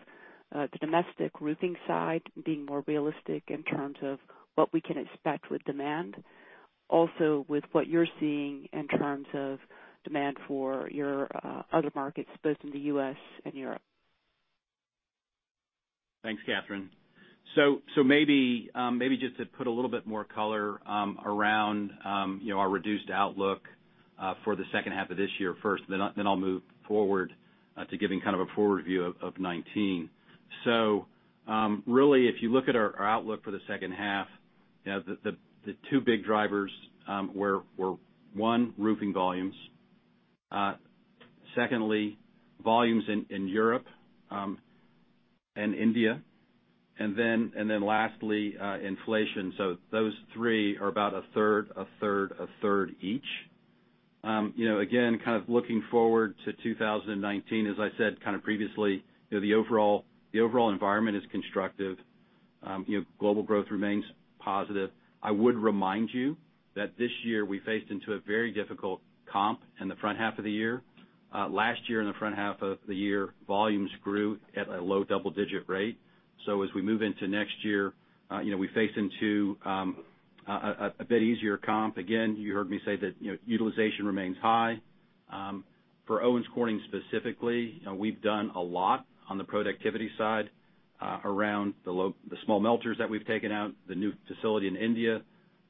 the domestic Roofing side and being more realistic in terms of what we can expect with demand, also with what you're seeing in terms of demand for your other markets, both in the U.S. and Europe. Thanks, Kathryn. So maybe just to put a little bit more color around our reduced outlook for the second half of this year first, then I'll move forward to giving kind of a forward view of 2019. So really, if you look at our outlook for the second half, the two big drivers were one, Roofing volumes. Secondly, volumes in Europe and India. And then lastly, inflation. So those three are about a third, a third, a third each. Again, kind of looking forward to 2019, as I said kind of previously, the overall environment is constructive. Global growth remains positive. I would remind you that this year we faced into a very difficult comp in the front half of the year. Last year in the front half of the year, volumes grew at a low double-digit rate. So as we move into next year, we face into a bit easier comp. Again, you heard me say that utilization remains high. For Owens Corning specifically, we've done a lot on the productivity side around the small melters that we've taken out, the new facility in India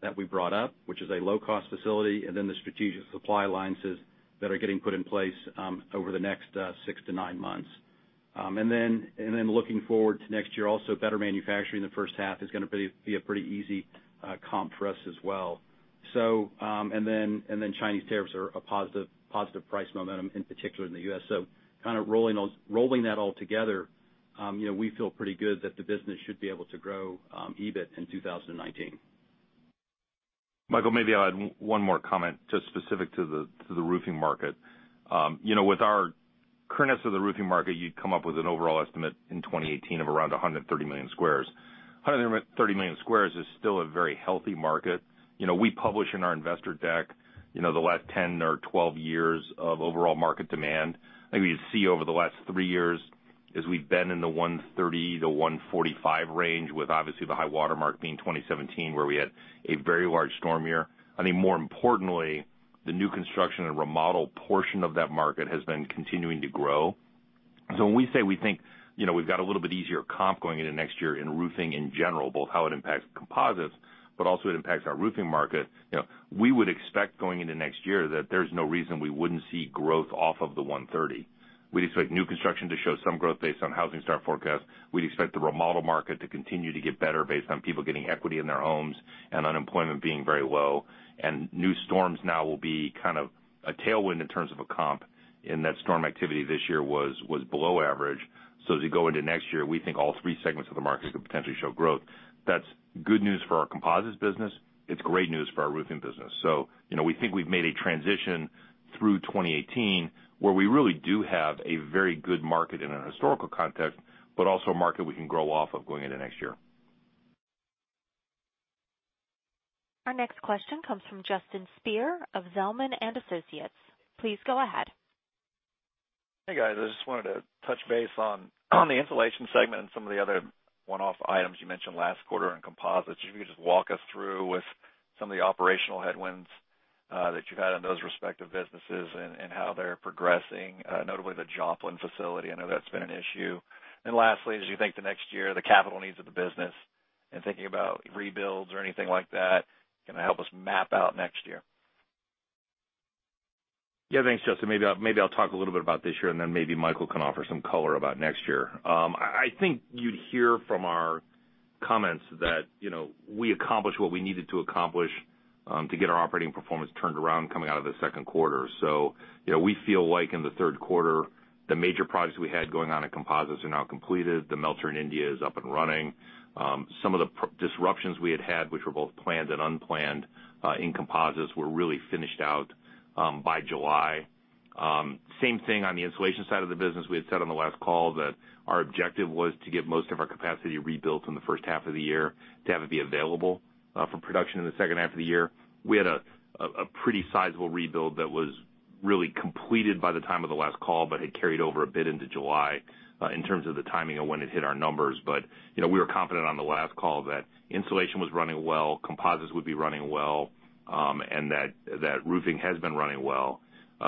that we brought up, which is a low-cost facility, and then the strategic supply alliances that are getting put in place over the next six to nine months. And then looking forward to next year, also better manufacturing in the first half is going to be a pretty easy comp for us as well. And then Chinese tariffs are a positive price momentum in particular in the U.S. So kind of rolling that all together, we feel pretty good that the business should be able to grow EBIT in 2019. Michael, maybe I'll add one more comment just specific to the Roofing market. With our current assessment of the Roofing market, you'd come up with an overall estimate in 2018 of around 130 million squares. 130 million squares is still a very healthy market. We publish in our investor deck the last 10 or 12 years of overall market demand. I think we see over the last three years as we've been in the 130 to 145 range with obviously the high-water mark being 2017 where we had a very large storm year. I think more importantly, the new construction and remodel portion of that market has been continuing to grow. So when we say we think we've got a little bit easier comp going into next year in Roofing in general, both how it impacts Composites, but also it impacts our Roofing market, we would expect going into next year that there's no reason we wouldn't see growth off of the 130. We'd expect new construction to show some growth based on housing start forecasts. We'd expect the remodel market to continue to get better based on people getting equity in their homes and unemployment being very low. And new storms now will be kind of a tailwind in terms of a comp in that storm activity this year was below average. So as we go into next year, we think all three segments of the market could potentially show growth. That's good news for our Composites business. It's great news for our Roofing business. So we think we've made a transition through 2018 where we really do have a very good market in a historical context, but also a market we can grow off of going into next year. Our next question comes from Justin Speer of Zelman & Associates. Please go ahead. Hey, guys. I just wanted to touch base on the Insulation segment and some of the other one-off items you mentioned last quarter in Composites. If you could just walk us through with some of the operational headwinds that you've had on those respective businesses and how they're progressing, notably the Joplin facility. I know that's been an issue. And lastly, as you think to next year, the capital needs of the business and thinking about rebuilds or anything like that, can that help us map out next year? Yeah. Thanks, Justin. Maybe I'll talk a little bit about this year and then maybe Michael can offer some color about next year. I think you'd hear from our comments that we accomplished what we needed to accomplish to get our operating performance turned around coming out of the second quarter. So we feel like in the third quarter, the major projects we had going on in Composites are now completed. The melter in India is up and running. Some of the disruptions we had had, which were both planned and unplanned in Composites, were really finished out by July. Same thing on the Insulation side of the business. We had said on the last call that our objective was to get most of our capacity rebuilt in the first half of the year to have it be available for production in the second half of the year. We had a pretty sizable rebuild that was really completed by the time of the last call, but had carried over a bit into July in terms of the timing of when it hit our numbers. But we were confident on the last call that Insulation was running well, Composites would be running well, and that Roofing has been running well.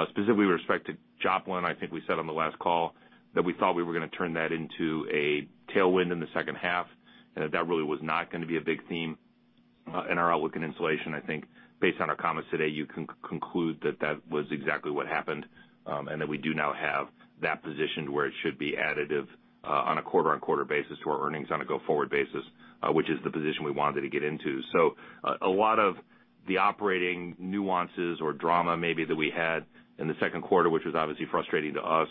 Specifically with respect to Joplin, I think we said on the last call that we thought we were going to turn that into a tailwind in the second half and that that really was not going to be a big theme in our outlook in Insulation. I think based on our comments today, you can conclude that that was exactly what happened and that we do now have that position to where it should be additive on a quarter-on-quarter basis to our earnings on a go-forward basis, which is the position we wanted to get into. So a lot of the operating nuances or drama maybe that we had in the second quarter, which was obviously frustrating to us,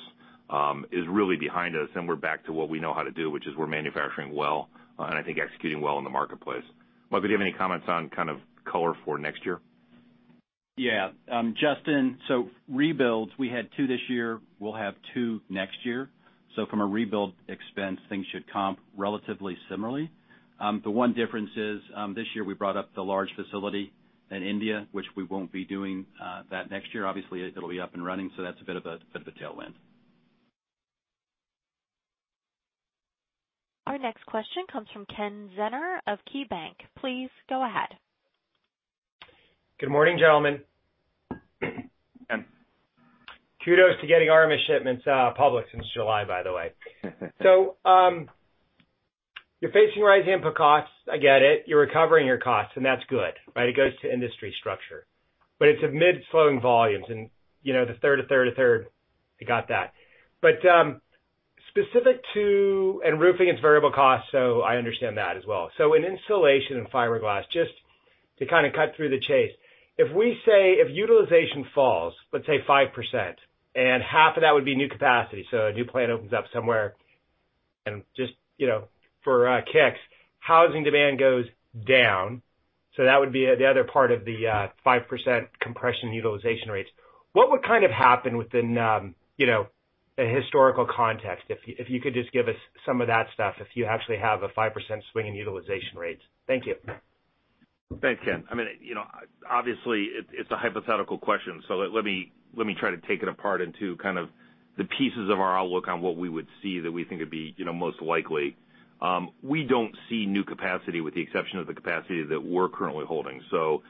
is really behind us. We're back to what we know how to do, which is we're manufacturing well and I think executing well in the marketplace. Michael, do you have any comments on kind of color for next year? Yeah. Justin, so rebuilds, we had two this year. We'll have two next year. So from a rebuild expense, things should comp relatively similarly. The one difference is this year we brought up the large facility in India, which we won't be doing that next year. Obviously, it'll be up and running. So that's a bit of a tailwind. Our next question comes from Ken Zener of KeyBanc. Please go ahead. Good morning, gentlemen. Kudos to getting our shipments public since July, by the way. So you're facing rising input costs. I get it. You're recovering your costs, and that's good, right? It goes to industry structure. But it's amid slowing volumes. And the third, you got that. But specific to Roofing and its variable costs, so I understand that as well. So in Insulation and fiberglass, just to kind of cut to the chase, if we say utilization falls, let's say 5%, and half of that would be new capacity, so a new plant opens up somewhere and just for kicks, housing demand goes down. So that would be the other part of the 5% compression in utilization rates. What would kind of happen within a historical context if you could just give us some of that stuff if you actually have a 5% swing in utilization rates? Thank you. Thanks, Ken. I mean, obviously, it's a hypothetical question. So let me try to take it apart into kind of the pieces of our outlook on what we would see that we think would be most likely. We don't see new capacity with the exception of the capacity that we're currently holding. So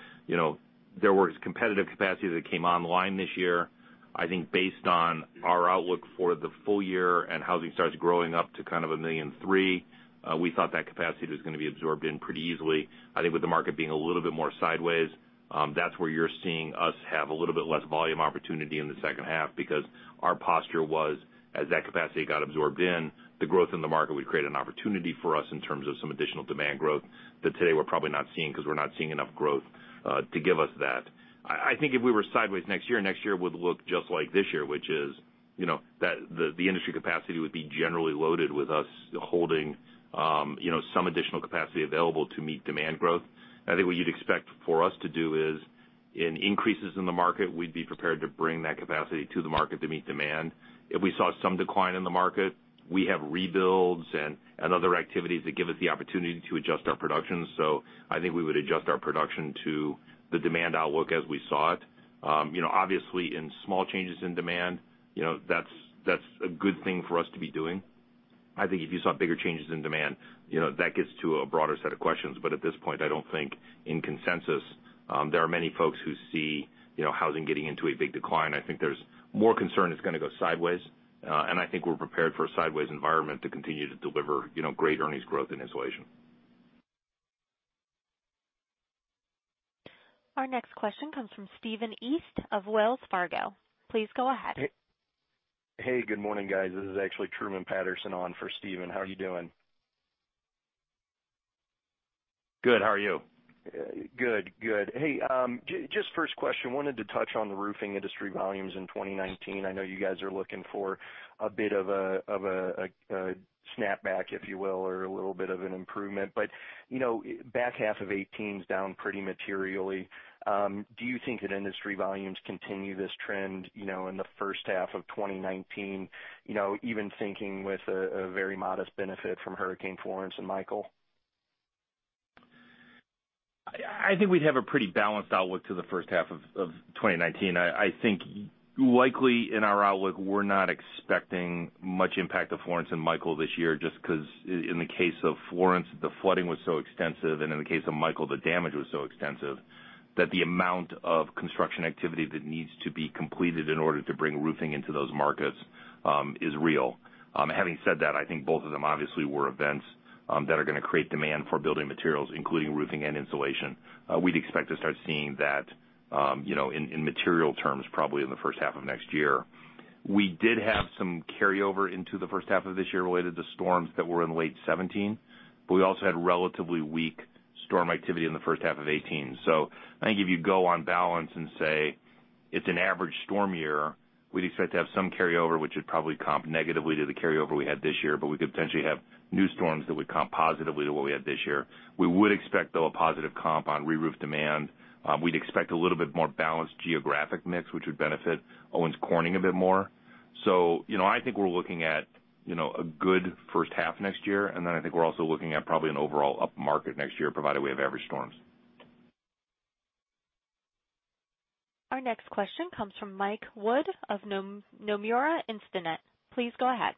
there was competitive capacity that came online this year. I think based on our outlook for the full year and housing starts growing up to kind of 1.3 million, we thought that capacity was going to be absorbed pretty easily. I think with the market being a little bit more sideways, that's where you're seeing us have a little bit less volume opportunity in the second half because our posture was as that capacity got absorbed in, the growth in the market would create an opportunity for us in terms of some additional demand growth that today we're probably not seeing because we're not seeing enough growth to give us that. I think if we were sideways next year, next year would look just like this year, which is that the industry capacity would be generally loaded with us holding some additional capacity available to meet demand growth. I think what you'd expect for us to do is in increases in the market, we'd be prepared to bring that capacity to the market to meet demand. If we saw some decline in the market, we have rebuilds and other activities that give us the opportunity to adjust our production. So I think we would adjust our production to the demand outlook as we saw it. Obviously, in small changes in demand, that's a good thing for us to be doing. I think if you saw bigger changes in demand, that gets to a broader set of questions. But at this point, I don't think in consensus, there are many folks who see housing getting into a big decline. I think there's more concern it's going to go sideways. And I think we're prepared for a sideways environment to continue to deliver great earnings growth in Insulation. Our next question comes from Stephen East of Wells Fargo. Please go ahead. Hey. Good morning, guys. This is actually Truman Patterson on for Stephen. How are you doing? Good. How are you? Good. Good. Hey, just first question. Wanted to touch on the Roofing industry volumes in 2019. I know you guys are looking for a bit of a snapback, if you will, or a little bit of an improvement. But back half of 2018 is down pretty materially. Do you think that industry volumes continue this trend in the first half of 2019, even thinking with a very modest benefit from Hurricane Florence and Michael? I think we'd have a pretty balanced outlook to the first half of 2019. I think likely in our outlook, we're not expecting much impact of Florence and Michael this year just because in the case of Florence, the flooding was so extensive, and in the case of Michael, the damage was so extensive that the amount of construction activity that needs to be completed in order to bring Roofing into those markets is real. Having said that, I think both of them obviously were events that are going to create demand for building materials, including Roofing and Insulation. We'd expect to start seeing that in material terms probably in the first half of next year. We did have some carryover into the first half of this year related to storms that were in late 2017. But we also had relatively weak storm activity in the first half of 2018. So I think if you go on balance and say it's an average storm year, we'd expect to have some carryover, which would probably comp negatively to the carryover we had this year. But we could potentially have new storms that would comp positively to what we had this year. We would expect, though, a positive comp on re-roof demand. We'd expect a little bit more balanced geographic mix, which would benefit Owens Corning a bit more. So I think we're looking at a good first half next year. And then I think we're also looking at probably an overall up market next year provided we have average storms. Our next question comes from Mike Wood of Nomura Instinet. Please go ahead.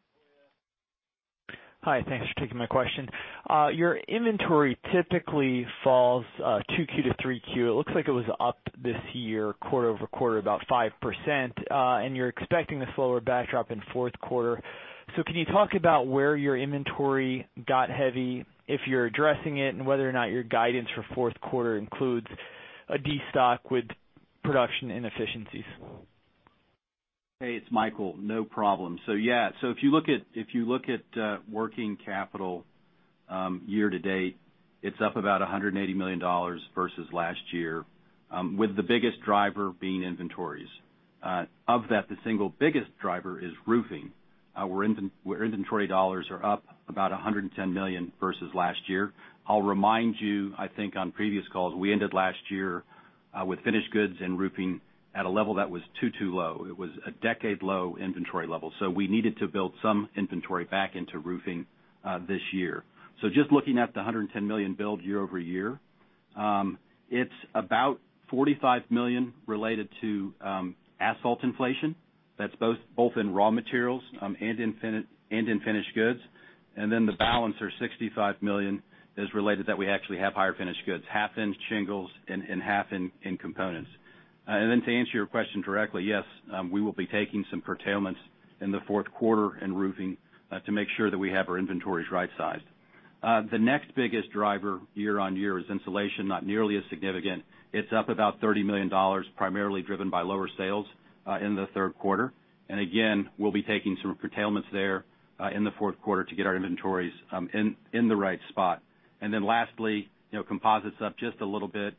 Hi. Thanks for taking my question. Your inventory typically falls 2Q to 3Q. It looks like it was up this year quarter over quarter about 5%. And you're expecting a slower backdrop in fourth quarter. So can you talk about where your inventory got heavy, if you're addressing it, and whether or not your guidance for fourth quarter includes a destock with production inefficiencies? Hey, it's Michael. No problem. So yeah. So if you look at working capital year to date, it's up about $180 million versus last year, with the biggest driver being inventories. Of that, the single biggest driver is Roofing. Our inventory dollars are up about $110 million versus last year. I'll remind you, I think on previous calls, we ended last year with finished goods and Roofing at a level that was too, too low. It was a decade-low inventory level. So we needed to build some inventory back into Roofing this year. So just looking at the $110 million billed year over year, it's about $45 million related to asphalt inflation. That's both in raw materials and in finished goods. And then the balance or $65 million is related that we actually have higher finished goods, half in shingles and half in components. And then to answer your question directly, yes, we will be taking some curtailments in the fourth quarter in Roofing to make sure that we have our inventories right-sized. The next biggest driver year on year is Insulation, not nearly as significant. It's up about $30 million, primarily driven by lower sales in the third quarter. And again, we'll be taking some curtailments there in the fourth quarter to get our inventories in the right spot. And then lastly, Composites up just a little bit,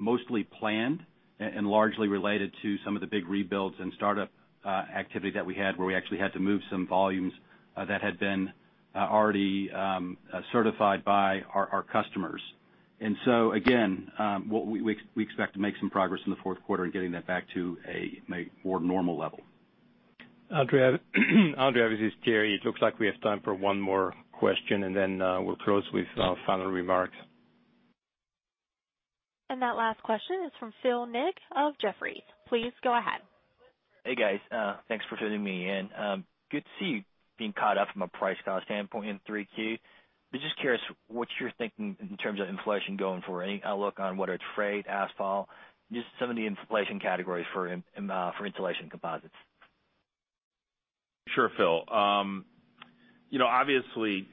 mostly planned and largely related to some of the big rebuilds and startup activity that we had where we actually had to move some volumes that had been already certified by our customers. And so again, we expect to make some progress in the fourth quarter in getting that back to a more normal level. Andrea, this is Thierry. It looks like we have time for one more question, and then we'll close with final remarks. And that last question is from Philip Ng of Jefferies. Please go ahead. Hey, guys. Thanks for taking me in. Good to see you being caught up from a price-cost standpoint in 3Q. But just curious what you're thinking in terms of inflation going forward. Any outlook on whether it's freight, asphalt, just some of the inflation categories for Insulation, Composites? Sure, Phil. Obviously,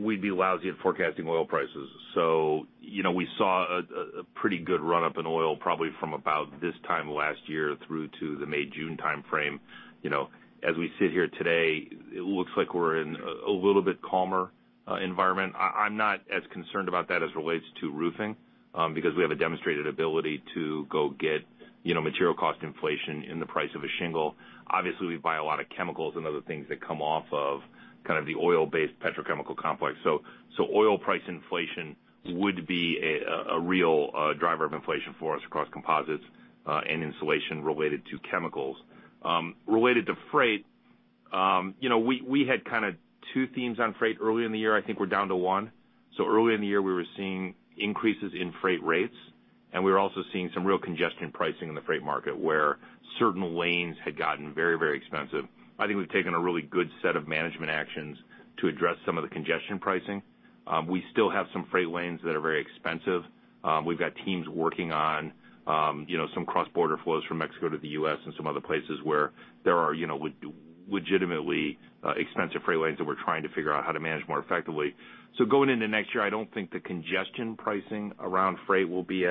we'd be lousy at forecasting oil prices. So we saw a pretty good run-up in oil probably from about this time last year through to the May, June timeframe. As we sit here today, it looks like we're in a little bit calmer environment. I'm not as concerned about that as it relates to Roofing because we have a demonstrated ability to go get material cost inflation in the price of a shingle. Obviously, we buy a lot of chemicals and other things that come off of kind of the oil-based petrochemical complex. So oil price inflation would be a real driver of inflation for us across Composites and Insulation related to chemicals. Related to freight, we had kind of two themes on freight early in the year. I think we're down to one. So early in the year, we were seeing increases in freight rates. And we were also seeing some real congestion pricing in the freight market where certain lanes had gotten very, very expensive. I think we've taken a really good set of management actions to address some of the congestion pricing. We still have some freight lanes that are very expensive. We've got teams working on some cross-border flows from Mexico to the U.S. and some other places where there are legitimately expensive freight lanes that we're trying to figure out how to manage more effectively. So going into next year, I don't think the congestion pricing around freight will be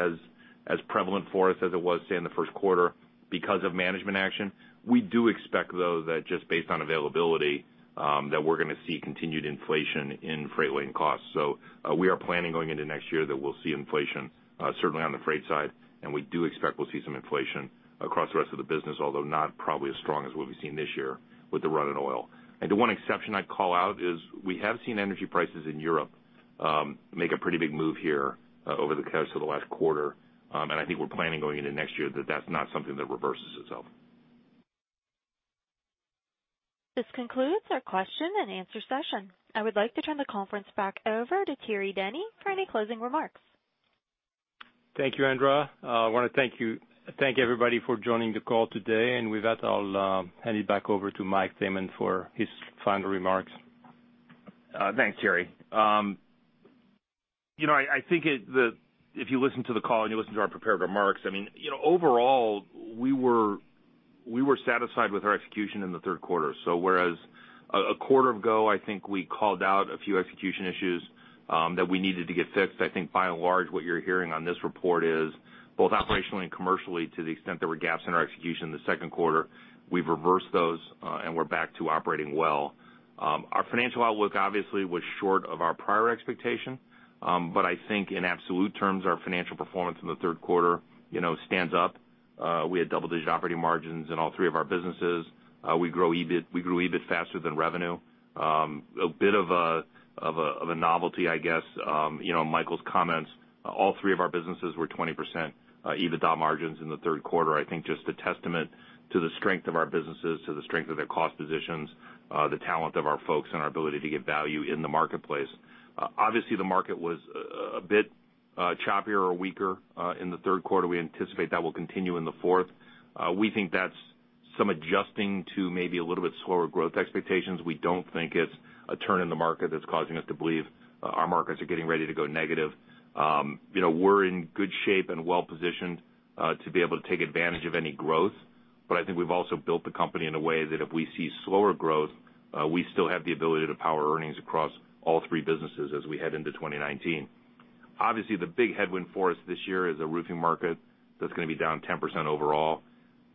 as prevalent for us as it was, say, in the first quarter because of management action. We do expect, though, that just based on availability, that we're going to see continued inflation in freight lane costs. So we are planning going into next year that we'll see inflation certainly on the freight side. And we do expect we'll see some inflation across the rest of the business, although not probably as strong as what we've seen this year with the run in oil. And the one exception I'd call out is we have seen energy prices in Europe make a pretty big move here over the course of the last quarter. And I think we're planning going into next year that that's not something that reverses itself. This concludes our question and answer session. I would like to turn the conference back over to Thierry Denis for any closing remarks. Thank you, Andrea. I want to thank you. Thank everybody for joining the call today. With that, I'll hand it back over to Mike Thaman for his final remarks. Thanks, Thierry. I think if you listen to the call and you listen to our prepared remarks, I mean, overall, we were satisfied with our execution in the third quarter. Whereas a quarter ago, I think we called out a few execution issues that we needed to get fixed. I think by and large, what you're hearing on this report is both operationally and commercially to the extent there were gaps in our execution in the second quarter. We've reversed those, and we're back to operating well. Our financial outlook obviously was short of our prior expectation. I think in absolute terms, our financial performance in the third quarter stands up. We had double-digit operating margins in all three of our businesses. We grew EBIT faster than revenue. A bit of a novelty, I guess, in Michael's comments, all three of our businesses were 20% EBITDA margins in the third quarter, I think just a testament to the strength of our businesses, to the strength of their cost positions, the talent of our folks, and our ability to get value in the marketplace. Obviously, the market was a bit choppier or weaker in the third quarter. We anticipate that will continue in the fourth. We think that's some adjusting to maybe a little bit slower growth expectations. We don't think it's a turn in the market that's causing us to believe our markets are getting ready to go negative. We're in good shape and well-positioned to be able to take advantage of any growth. But I think we've also built the company in a way that if we see slower growth, we still have the ability to power earnings across all three businesses as we head into 2019. Obviously, the big headwind for us this year is a Roofing market that's going to be down 10% overall.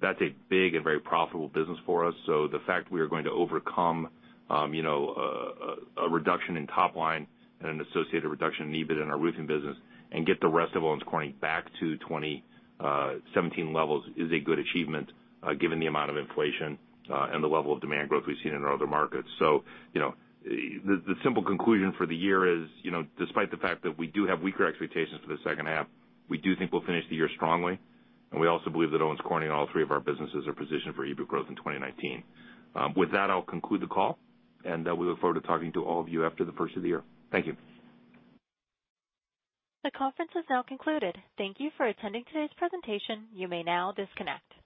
That's a big and very profitable business for us. So the fact we are going to overcome a reduction in top line and an associated reduction in EBIT in our Roofing business and get the rest of Owens Corning back to 2017 levels is a good achievement given the amount of inflation and the level of demand growth we've seen in our other markets. So the simple conclusion for the year is, despite the fact that we do have weaker expectations for the second half, we do think we'll finish the year strongly. We also believe that Owens Corning and all three of our businesses are positioned for EBIT growth in 2019. With that, I'll conclude the call. We look forward to talking to all of you after the first of the year. Thank you. The conference is now concluded. Thank you for attending today's presentation. You may now disconnect.